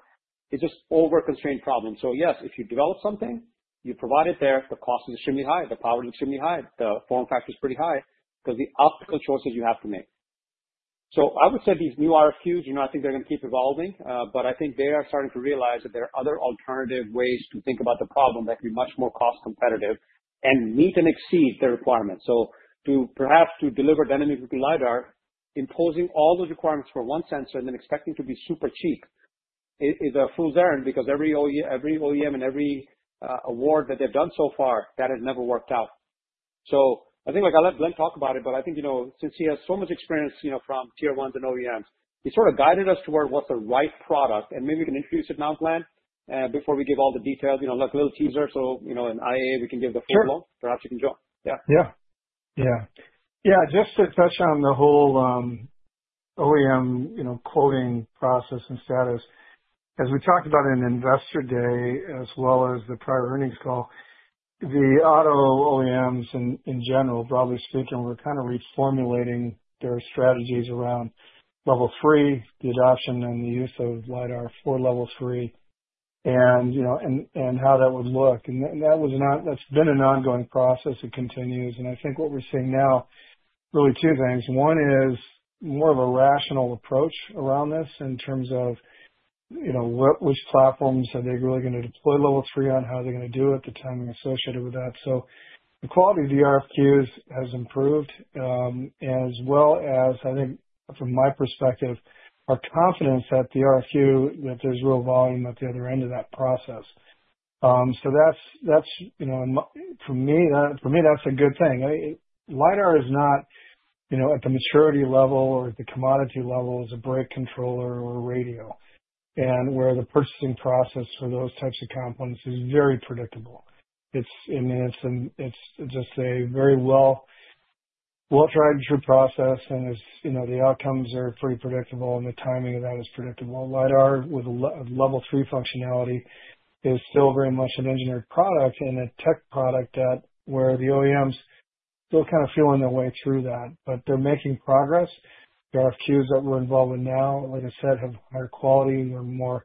It's just over constrained problem. Yes, if you develop something, you provide it there. The cost is extremely high, the power extremely high, the form factor is pretty high because the optical choices you have to make. I would say these new RFQs, I think they're going to keep evolving but I think they are starting to realize that there are other alternative ways to think about the problem that could be much more cost competitive and meet and exceed their requirements. To perhaps to deliver dynamic LiDAR, imposing all those requirements for one sensor and then expecting to be super cheap is a fool's zone because every OEM and every award that they've done so far that has never worked out. I think like I let Glen talk about it. I think, you know, since he has so much experience, you know, from tier ones and OEMs, he sort of guided us toward what's the right product and maybe we can introduce it now. Glen. Before we give all the details, you know, like a little teaser so, you know, in IAA we can give the full blown. Perhaps you can join. Just to touch on the whole OEM quoting process and status as we talked about in Investor Day, as well as the prior earnings call, the auto OEMs in general, broadly speaking, are kind of reformulating their strategies around level 3, the adoption and the use of LiDAR for level 3 and how that would look. That has been an ongoing process. It continues. I think what we're seeing now is really two things. One is more of a rational approach around this in terms of which platforms are they really going to deploy level 3 on, how are they going to do it, the timing associated with that. The quality of the RFQs has improved as well as, I think from my perspective, our confidence that at the RFQ, there's real volume at the other end of that process. For me, that's a good thing. LiDAR is not at the maturity level or at the commodity level as a brake controller or radio, where the purchasing process for those types of components is very predictable. It's just a very well tried, true process and the outcomes are pretty predictable and the timing of that is predictable. LiDAR with level 3 functionality is still very much an engineered product and a tech product where the OEMs are still kind of feeling their way through that, but they're making progress. RFQs that we're involved with now, like I said, have higher quality. They're more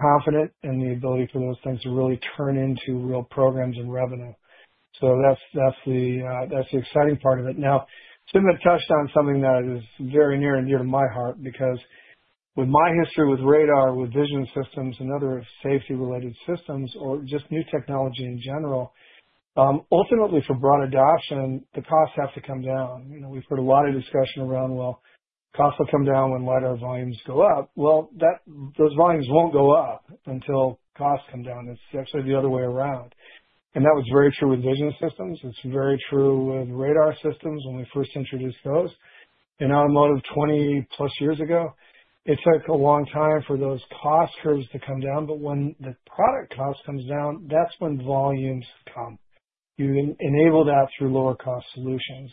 confident in the ability for those things to really turn into real programs and revenue. That's the exciting part of it. Sumit touched on something that is very near and dear to my heart because with my history with radar, with vision systems and other safety-related systems, or just new technology in general, ultimately for broad adoption, the costs have to come down. We've heard a lot of discussion around costs coming down when LiDAR volumes go up. Those volumes won't go up until costs come down. It's actually the other way around. That was very true with vision systems. It's very true with radar systems. When we first introduced those in automotive 20+ years ago, it took a long time for those cost curves to come down. When the product cost comes down, that's when volumes come. You enable that through lower cost solutions.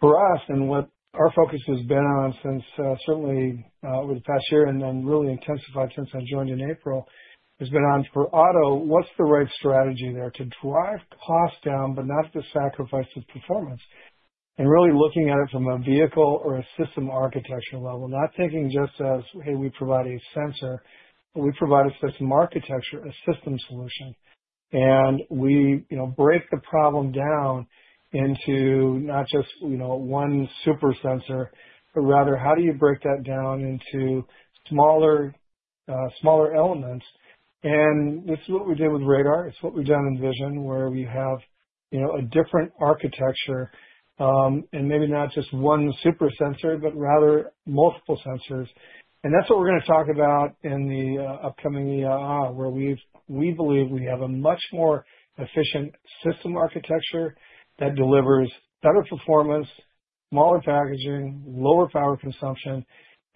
For us, what our focus has been on since, certainly over the past year and really intensified since I joined in April, has been on for auto, what's the right strategy there to drive cost down but not to sacrifice the performance. Really looking at it from a vehicle or a system architecture level, not thinking just as, hey, we provide a sensor, we provide a system architecture, a system solution and we break the problem down into not just one super sensor, but rather how do you break that down into smaller, smaller elements. This is what we did with radar. It's what we've done in vision where we have, you know, a different architecture and maybe not just one super sensor, but rather multiple sensors. That's what we're going to talk about in the upcoming ER, where we believe we have a much more efficient system architecture that delivers better performance, smaller packaging, lower power consumption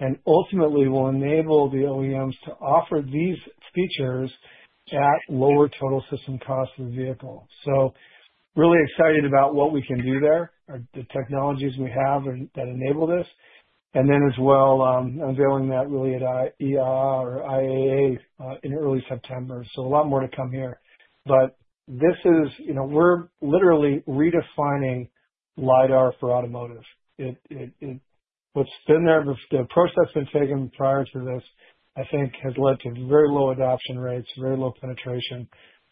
and ultimately will enable the OEMs to offer these features at lower total system cost of the vehicle. Really excited about what we can do there. The technologies we have that enable this and then as well unveiling that really at IAA in early September. A lot more to come here. We're literally redefining LiDAR for automotive what's been there. The approach that's been taken prior to this I think has led to very low adoption rates, very low penetration.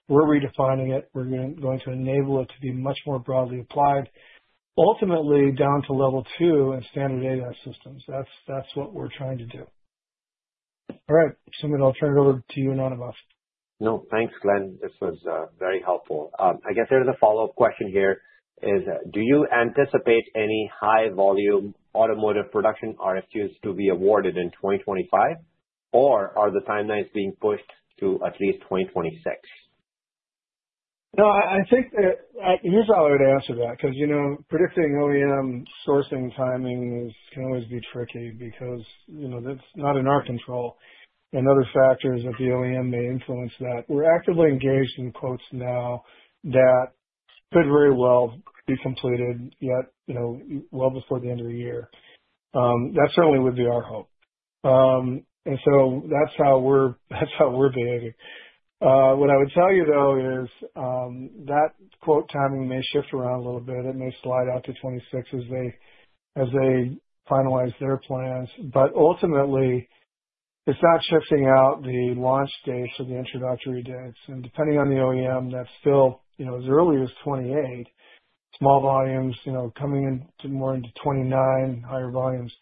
We're redefining it, we're going to enable it to be much more broadly applied ultimately down to level two in standard AI systems. That's what we're trying to do. All right, Sumit, I'll turn it over to you. Anubhav. No, thanks Glen. This was very helpful. I guess there's a follow-up question here. Do you anticipate any high volume automotive production RFQs to be awarded in 2025, or are the timelines being pushed to at least 2026? No, I think here's how I would answer that because, you know, predicting OEM sourcing timing can always be tricky because that's not in our control and other factors that the OEM may influence. We're actively engaged in quotes now that could very well be completed, you know, well before the end of the year. That certainly would be our hope, and that's how we're behaving. What I would tell you though is that quote timing may shift around a little bit. It may slide out to 2026 as they finalize their plans. Ultimately, it's not shifting out the launch dates or the introductory dates. Depending on the OEM, that's still, you know, as early as 2028 small volumes, coming in more into 2029 higher volumes.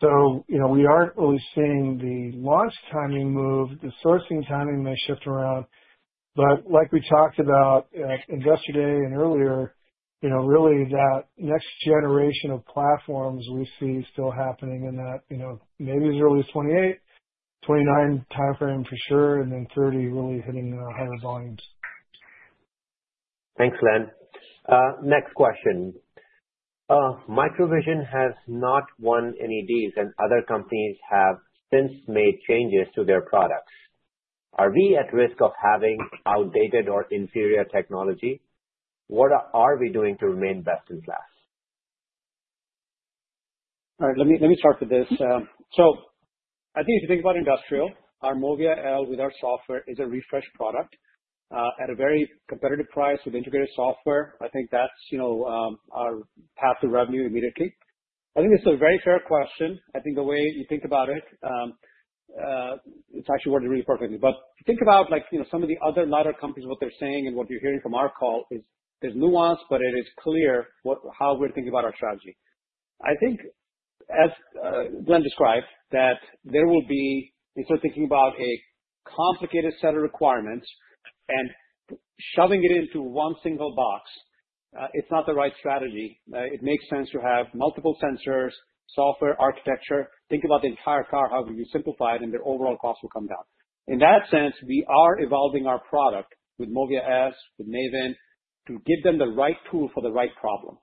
We aren't really seeing the launch timing move. The sourcing timing may shift around. Like we talked about at investor day and earlier, really that next generation of platforms we see still happening in that, you know, maybe as early as 2028, 2029 time frame for sure, and then 2030 really hitting hundred volumes. Thanks, Glen. Next question. MicroVision has not won any deals and other companies have since made changes to their products. Are we at risk of having outdated or inferior technology? What are we doing to remain best in class? All right, let me start with this. I think if you think about industrial, our MOVIA L with our software is a refreshed product at a very competitive price. With integrated software, I think that's our path to revenue immediately. I think it's a very fair question. I think the way you think about it, it's actually worth really perfectly. Think about some of the other LiDAR companies, what they're saying and what you're hearing from our call is there's nuance, but it is clear how we're thinking about our strategy. I think as Glen DeVos described, there will be, if you're thinking about a complicated set of requirements and shoving it into one single box, it's not the right strategy. It makes sense to have multiple sensors, software architecture, think about the entire car, how you simplify it, and the overall cost will come down. In that sense, we are evolving our product with MOVIA S with MAVIN to give them the right tool for the right problem.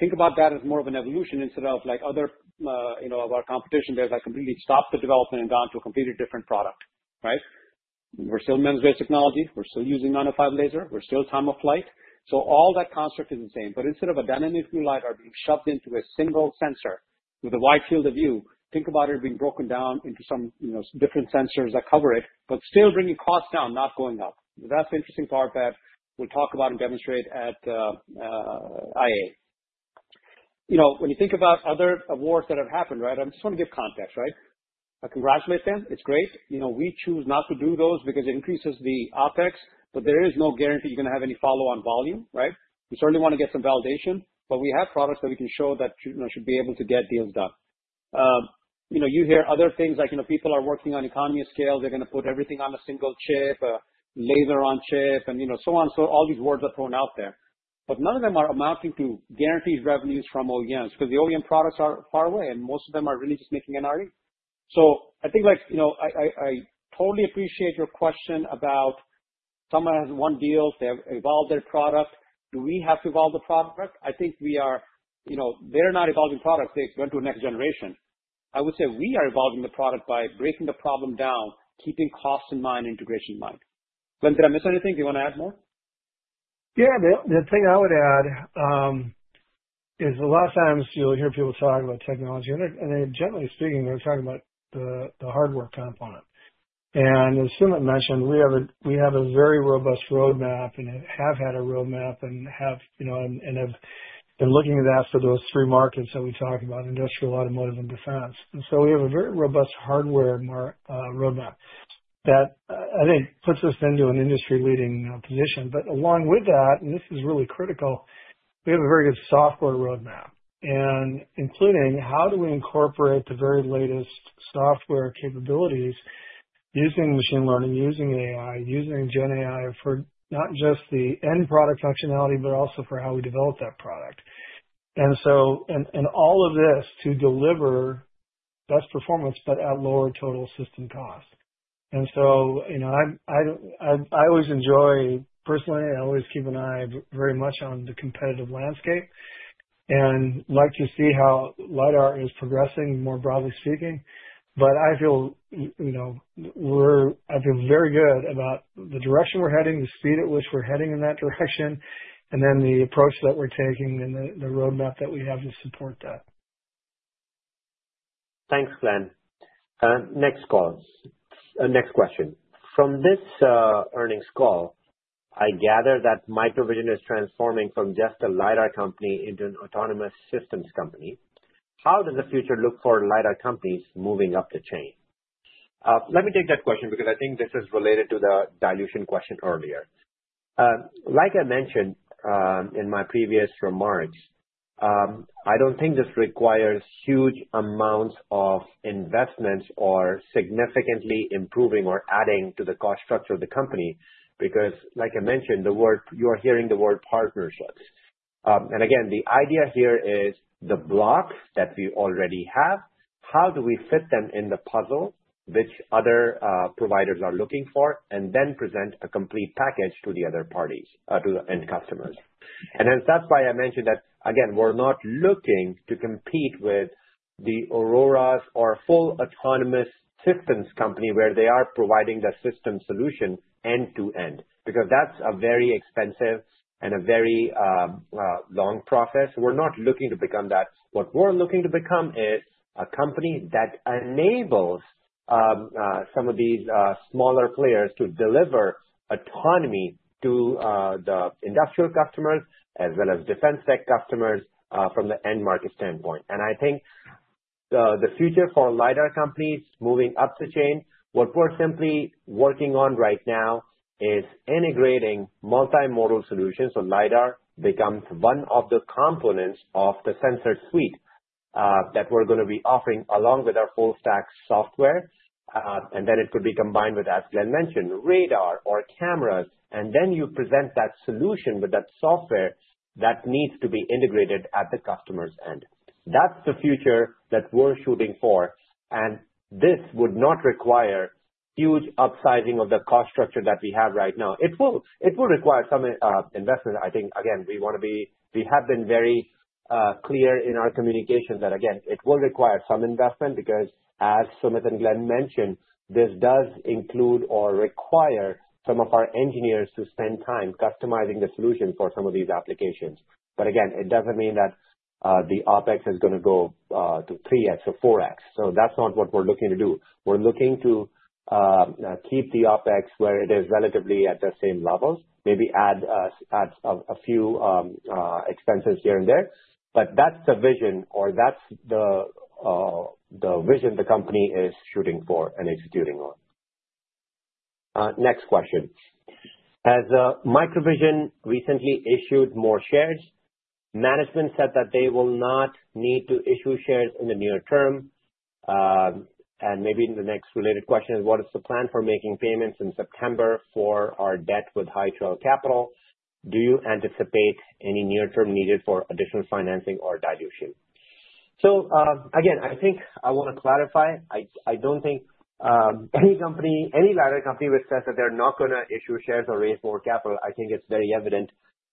Think about that as more of an evolution instead of like our competition. They're like completely stopped the development and gone to a completely different product. Right. We're still MEMS based technology. We're still using 905 laser, we're still time of flight. All that construct is the same. Instead of a dynamic new LiDAR being shoved into a single sensor with a wide field of view, think about it being broken down into some different sensors that cover it, but still bringing costs down, not going up. That's the interesting part that we'll talk about and demonstrate at IAA. When you think about other awards that have happened, I just want to give context. Right. I congratulate them. It's great. You know, we choose not to do those because it increases the OpEx. There is no guarantee you're going to have any follow-on volume. We certainly want to get some validation, but we have products that we can show that should be able to get deals done. You hear other things like people are working on economy of scale, they're going to put everything on a single chip, laser on chip, and so on. All these words are thrown out there, but none of them are mounting to guaranteed revenues from OEMs because the OEM products are far away. Most of them are really just making an argument. I totally appreciate your question about someone has won deals, they have evolved their product. Do we have to evolve the product? I think we are. They're not evolving products. They went to the next generation. I would say we are evolving the product by breaking the problem down, keeping cost in mind, integration in mind. Glen, did I miss anything? Do you want to add more? Yeah, the thing I would add is a lot of times you'll hear people talk about technology, and generally speaking they're talking about the hardware component. As mentioned, we have a very robust roadmap and have had a roadmap and have been looking at that for those three markets that we talk about: industrial, automotive, and defense. We have a very robust hardware roadmap that I think puts us into an industry-leading position. Along with that, and this is really critical, we have a very good software roadmap, including how we incorporate the very latest software capabilities using machine learning, using AI, using gen AI for not just the end product functionality, but also for how we develop that product. All of this is to deliver best performance but at lower total system cost. I always enjoy, personally I always keep an eye very much on the competitive landscape and like to see how LiDAR is progressing more broadly speaking. I feel very good about the direction we're heading, the speed at which we're heading in that direction, and the approach that we're taking and the roadmap that we have to support that. Thanks, Glen. Next question. From this earnings call, I gather that MicroVision is transforming from just a LiDAR company into an autonomous systems company. How does the future look for LiDAR companies moving up the chain? Let me take that question because I think this is related to the dilution question earlier. Like I mentioned in my previous remarks, I don't think this requires huge amounts of investments or significantly improving or adding to the cost structure of the company because, like I mentioned, you are hearing the word partnerships. The idea here is the blocks that we already have, how do we fit them in the puzzle which other providers are looking for and then present a complete package to the other parties, to the end customers. That's why I mentioned that we're not looking to compete with the Auroras or full autonomous systems company where they are providing the system solution end to end because that's a very expensive and a very long process. We're not looking to become that. What we're looking to become is a company that enables some of these smaller players to deliver autonomy to the industrial customers as well as defense tech customers from the end market standpoint. I think the future for LiDAR companies moving up the chain, what we're simply working on right now is integrating multimodal solutions and LiDAR becomes one of the components of the sensor suite that we're going to be offering along with our full stack software. It could be combined with, as Glen mentioned, radar or cameras and then you present that solution with that software that needs to be integrated at the customer's end. That's the future that we're shooting for. This would not require huge upsizing of the cost structure that we have right now. It will require some investment. I think we have been very clear in our communications that it will require some investment because, as Sumit and Glen mentioned, this does include or require some of our engineers to spend time customizing the solution for some of these applications. It doesn't mean that the OpEx is going to go to 3x or 4x. That's not what we're looking to do. We're looking to keep the OpEx where it is, relatively at the same level, maybe add a few expenses here and there. That's the vision the company is shooting for and executing on. Next question. As MicroVision recently issued more shares, management said that they will not need to issue shares in the near term. Maybe the next related question is what is the plan for making payments in September for our debt with High Trail Capital? Do you anticipate any near term need for additional financing or dilution? I think I want to clarify. I don't think any company, any LiDAR company which says that they're not going to issue shares or raise more capital. I think it's very evident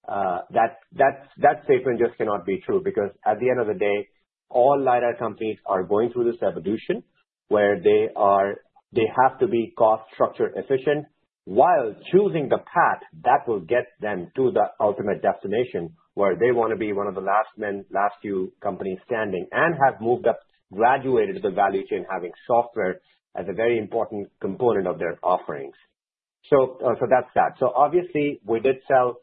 that statement just cannot be true because at the end of the day all LiDAR companies are going through the separation where they have to be cost structure efficient while choosing the path that will get them to the ultimate destination where they want to be one of the last men, last few companies standing and have moved up, graduated to the value chain having software as a very important component of their offerings. That's that. Obviously we did sell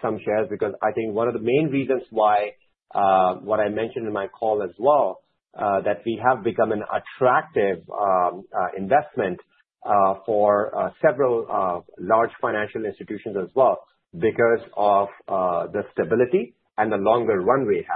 some shares because I think one of the main reasons why, what I mentioned in my call as well, that we have become an attractive investment for several large financial institutions as well because of the stability and the longer runway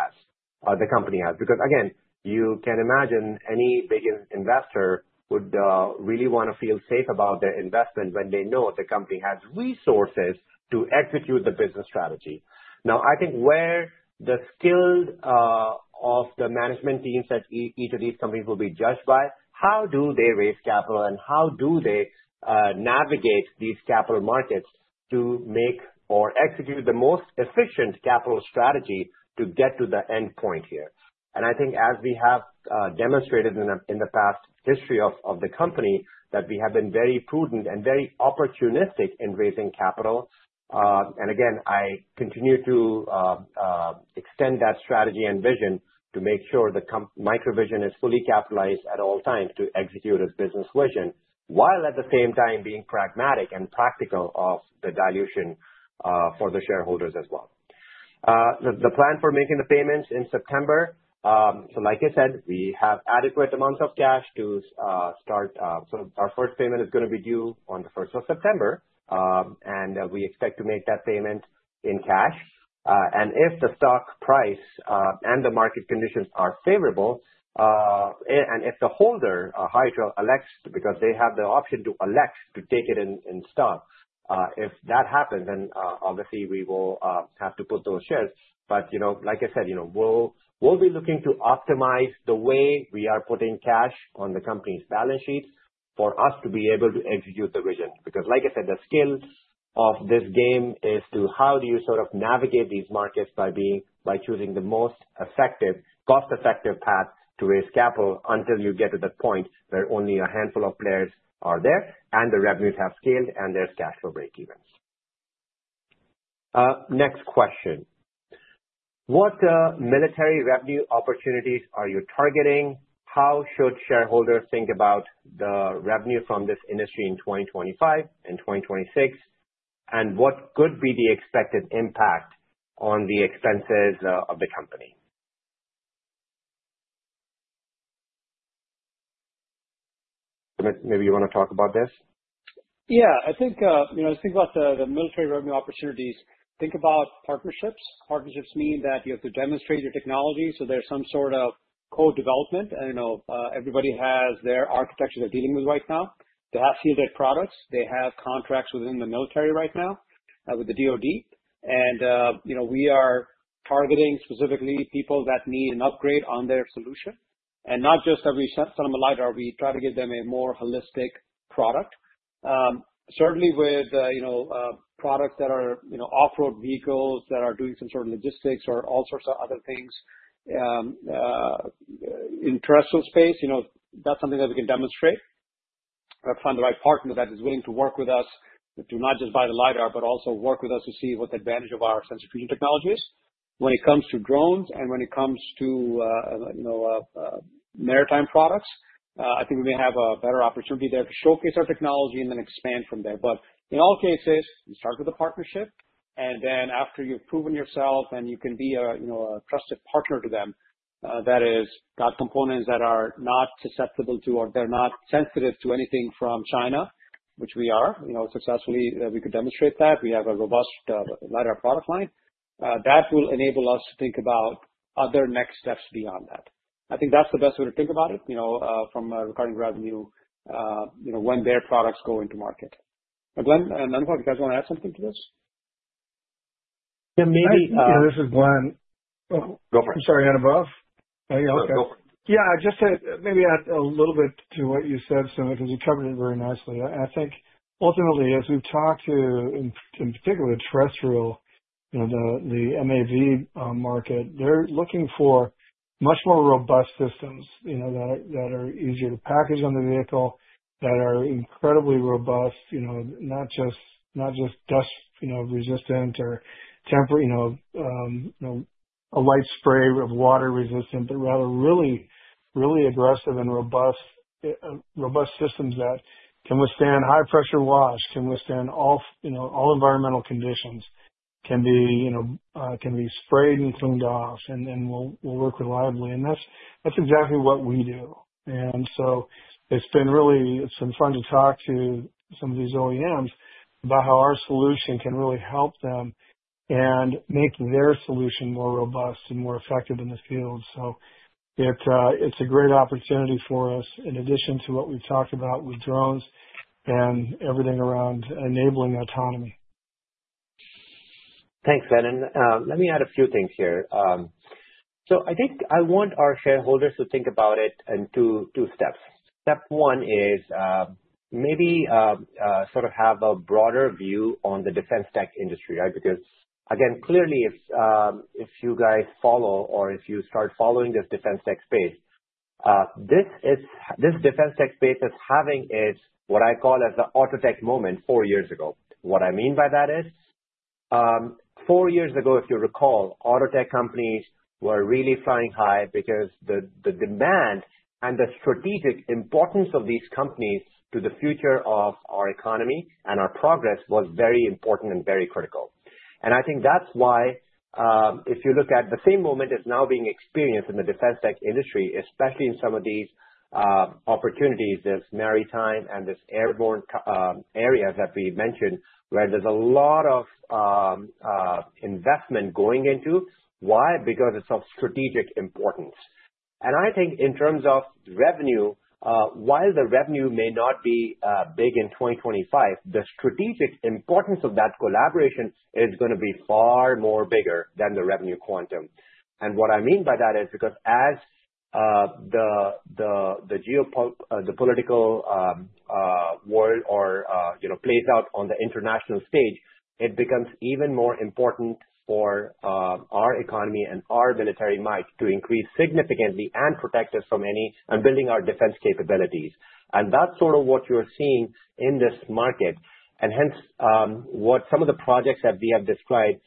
the company has because again you can imagine any big investor would really want to feel safe about their investment when they know the company has resources to execute the business strategy. I think where the skill of the management teams at each of these companies will be judged is by how do they raise capital and how do they navigate these capital markets to make or execute the most efficient capital strategy to get to the end point here. I think as we have demonstrated in the past history of the company that we have been very prudent and very opportunistic in raising capital. I continue to extend that strategy and vision to make sure that MicroVision is fully capitalized at all times to execute its business vision while at the same time being pragmatic and practical of the dilution for the shareholders as well. The plan for making the payments in September, like I said, we have adequate amounts of cash to start. Our first payment is going to be due on the 1st of September and we expect to make that payment in cash. If the stock price and the market conditions are favorable and if the holder, High Trail, because they have the option to elect to take it in stock, if that happens, then obviously we will have to put those shares. Like I said, we'll be looking to optimize the way we are putting cash on the company's balance sheet for us to be able to execute the vision. Like I said, the skill of this game is how do you sort of navigate these markets by choosing the most effective, cost-effective path to raise capital until you get to the point where only a handful of players are there and the revenues have scaled and there's cash flow breakeven. Next question. What military revenue opportunities are you targeting? How should shareholders think about the revenue from this industry in 2025 and 2026 and what could be the expected impact on the expenses of the company? Maybe you want to talk about this? Yeah, I think, you know, think about the military revenue opportunities, think about partnerships. Partnerships mean that you have to demonstrate your technology, so there's some sort of co-development. I know everybody has their architecture they're dealing with right now. They have fielded products, they have contracts within the military right now with the DoD. You know, we are targeting specifically people that need an upgrade on their solution. Not just that we show them a light or we try to give them a more holistic product. Certainly with products that are off-road vehicles that are doing some sort of logistics or all sorts of other things, industrial space, you know, that's something that we can demonstrate. Find the right partner that is willing to work with us to not just buy the LiDAR but also work with us to see what the advantage of our sensor fusion technology is when it comes to drones and when it comes to maritime products. I think we may have a better opportunity there to showcase our technology and then expand from there. In all cases, you start with a partnership and then after you've proven yourself and you can be a trusted partner to them that has components that are not susceptible to, or they're not sensitive to anything from China, which we are, you know, successfully, we could demonstrate that we have a robust LiDAR product line that will enable us to think about other next steps beyond that. I think that's the best way to think about it, you know, from recurring revenue, you know, when their products go into market. Glen, you guys want to add something to this? This is Glen. Sorry, Anubhav. I just said maybe a little bit to what you said because you covered it very nicely. I think ultimately, as we've talked to in particular terrestrial and the MAV market, they're looking for much more robust systems that are easier to package on the vehicle, that are incredibly robust. Not just not with dust resistant or temper, you know, a light spray of water resistant, but rather really aggressive and robust systems that can withstand high pressure, wash, can withstand all, you know, all environmental conditions, can be, you know, can be sprayed and cleaned off and will work reliably. That's exactly what we do. It's been fun to talk to some of these OEMs about how our solution can really help them and make their solution more robust and more effective in the field. It's a great opportunity for us in addition to what we've talked about with drones and everything around enabling autonomy. Thanks, Glen. Let me add a few things here. I want our shareholders to think about it in two steps. Step one is maybe sort of have a broader view on the defense tech industry. Right. Because again, clearly if you guys follow or if you start following this defense tech space, this defense tech space that's having its what I call as the auto tech moment four years ago. What I mean by that is four years ago, if you recall, auto tech companies were really flying high because the demand and the strategic importance of these companies to the future of our economy and our progress was very important and very critical. I think that's why if you look at the same moment, it is now being experienced in the defense tech industry, especially in some of these opportunities as maritime and this airborne area that we mentioned where there's a lot of investment going into. Why? Because it's of strategic importance and I think in terms of revenue, while the revenue may not be big in 2025, the strategic importance of that collaboration is going to be far more significant than the revenue quantum. What I mean by that is because as the political world plays out on the international stage, it becomes even more important for our economy and our military might to increase significantly and protect us from any and building our defense capabilities. That's sort of what you're seeing in this market and hence what some of the projects that we have described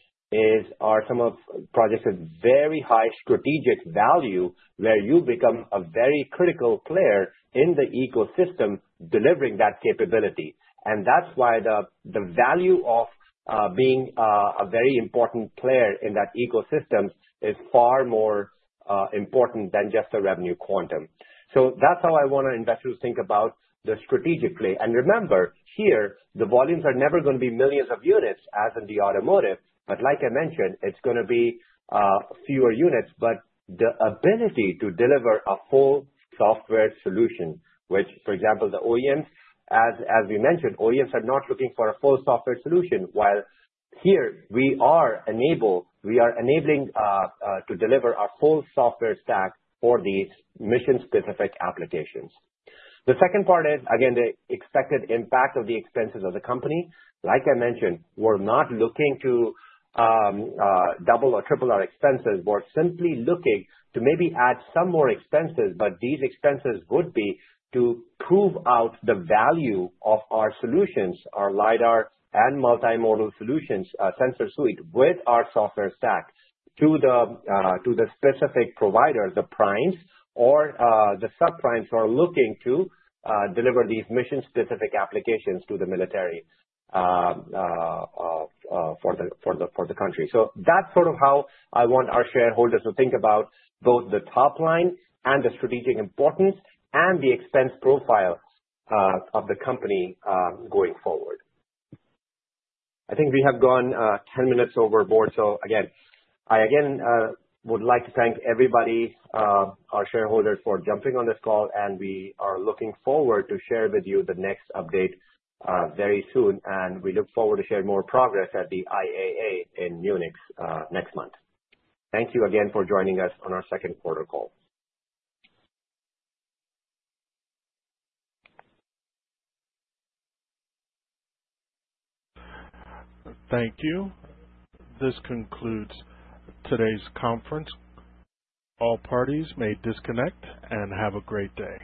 are. Some of the projects with very high strategic value where you become a very critical player in the ecosystem delivering that capability. That's why the value of being a very important player in that ecosystem is far more important than just the revenue quantum. That's how I want our investors to think about the strategic play. Remember here the volumes are never going to be millions of units as in the automotive, but like I mentioned, it's going to be fewer units. The ability to deliver a full software solution, which for example the OEMs, as we mentioned, OEMs are not looking for a full software solution. While here we are enabling to deliver our full software stack for these mission specific applications. The second part is again the expected impact of the expenses of the company. Like I mentioned, we're not looking to double or triple our expenses, we're simply looking to maybe add some more expenses. These expenses would be to prove out the value of our solutions, our LiDAR and multimodal solutions, sensor suite with our software stack to the specific provider, the primes or the subprimes who are looking to deliver these mission specific applications to the military for the country. That's sort of how I want our shareholders to think about both the top line and the strategic importance and the expense profile of the company going forward. I think we have gone 10 minutes overboard. I again would like to thank everybody, our shareholders, for jumping on this call. We are looking forward to share with you the next update very soon. We look forward to sharing more progress at the IAA in Munich next month. Thank you again for joining us on our second quarter call. Thank you. This concludes today's conference. All parties may disconnect and have a great day.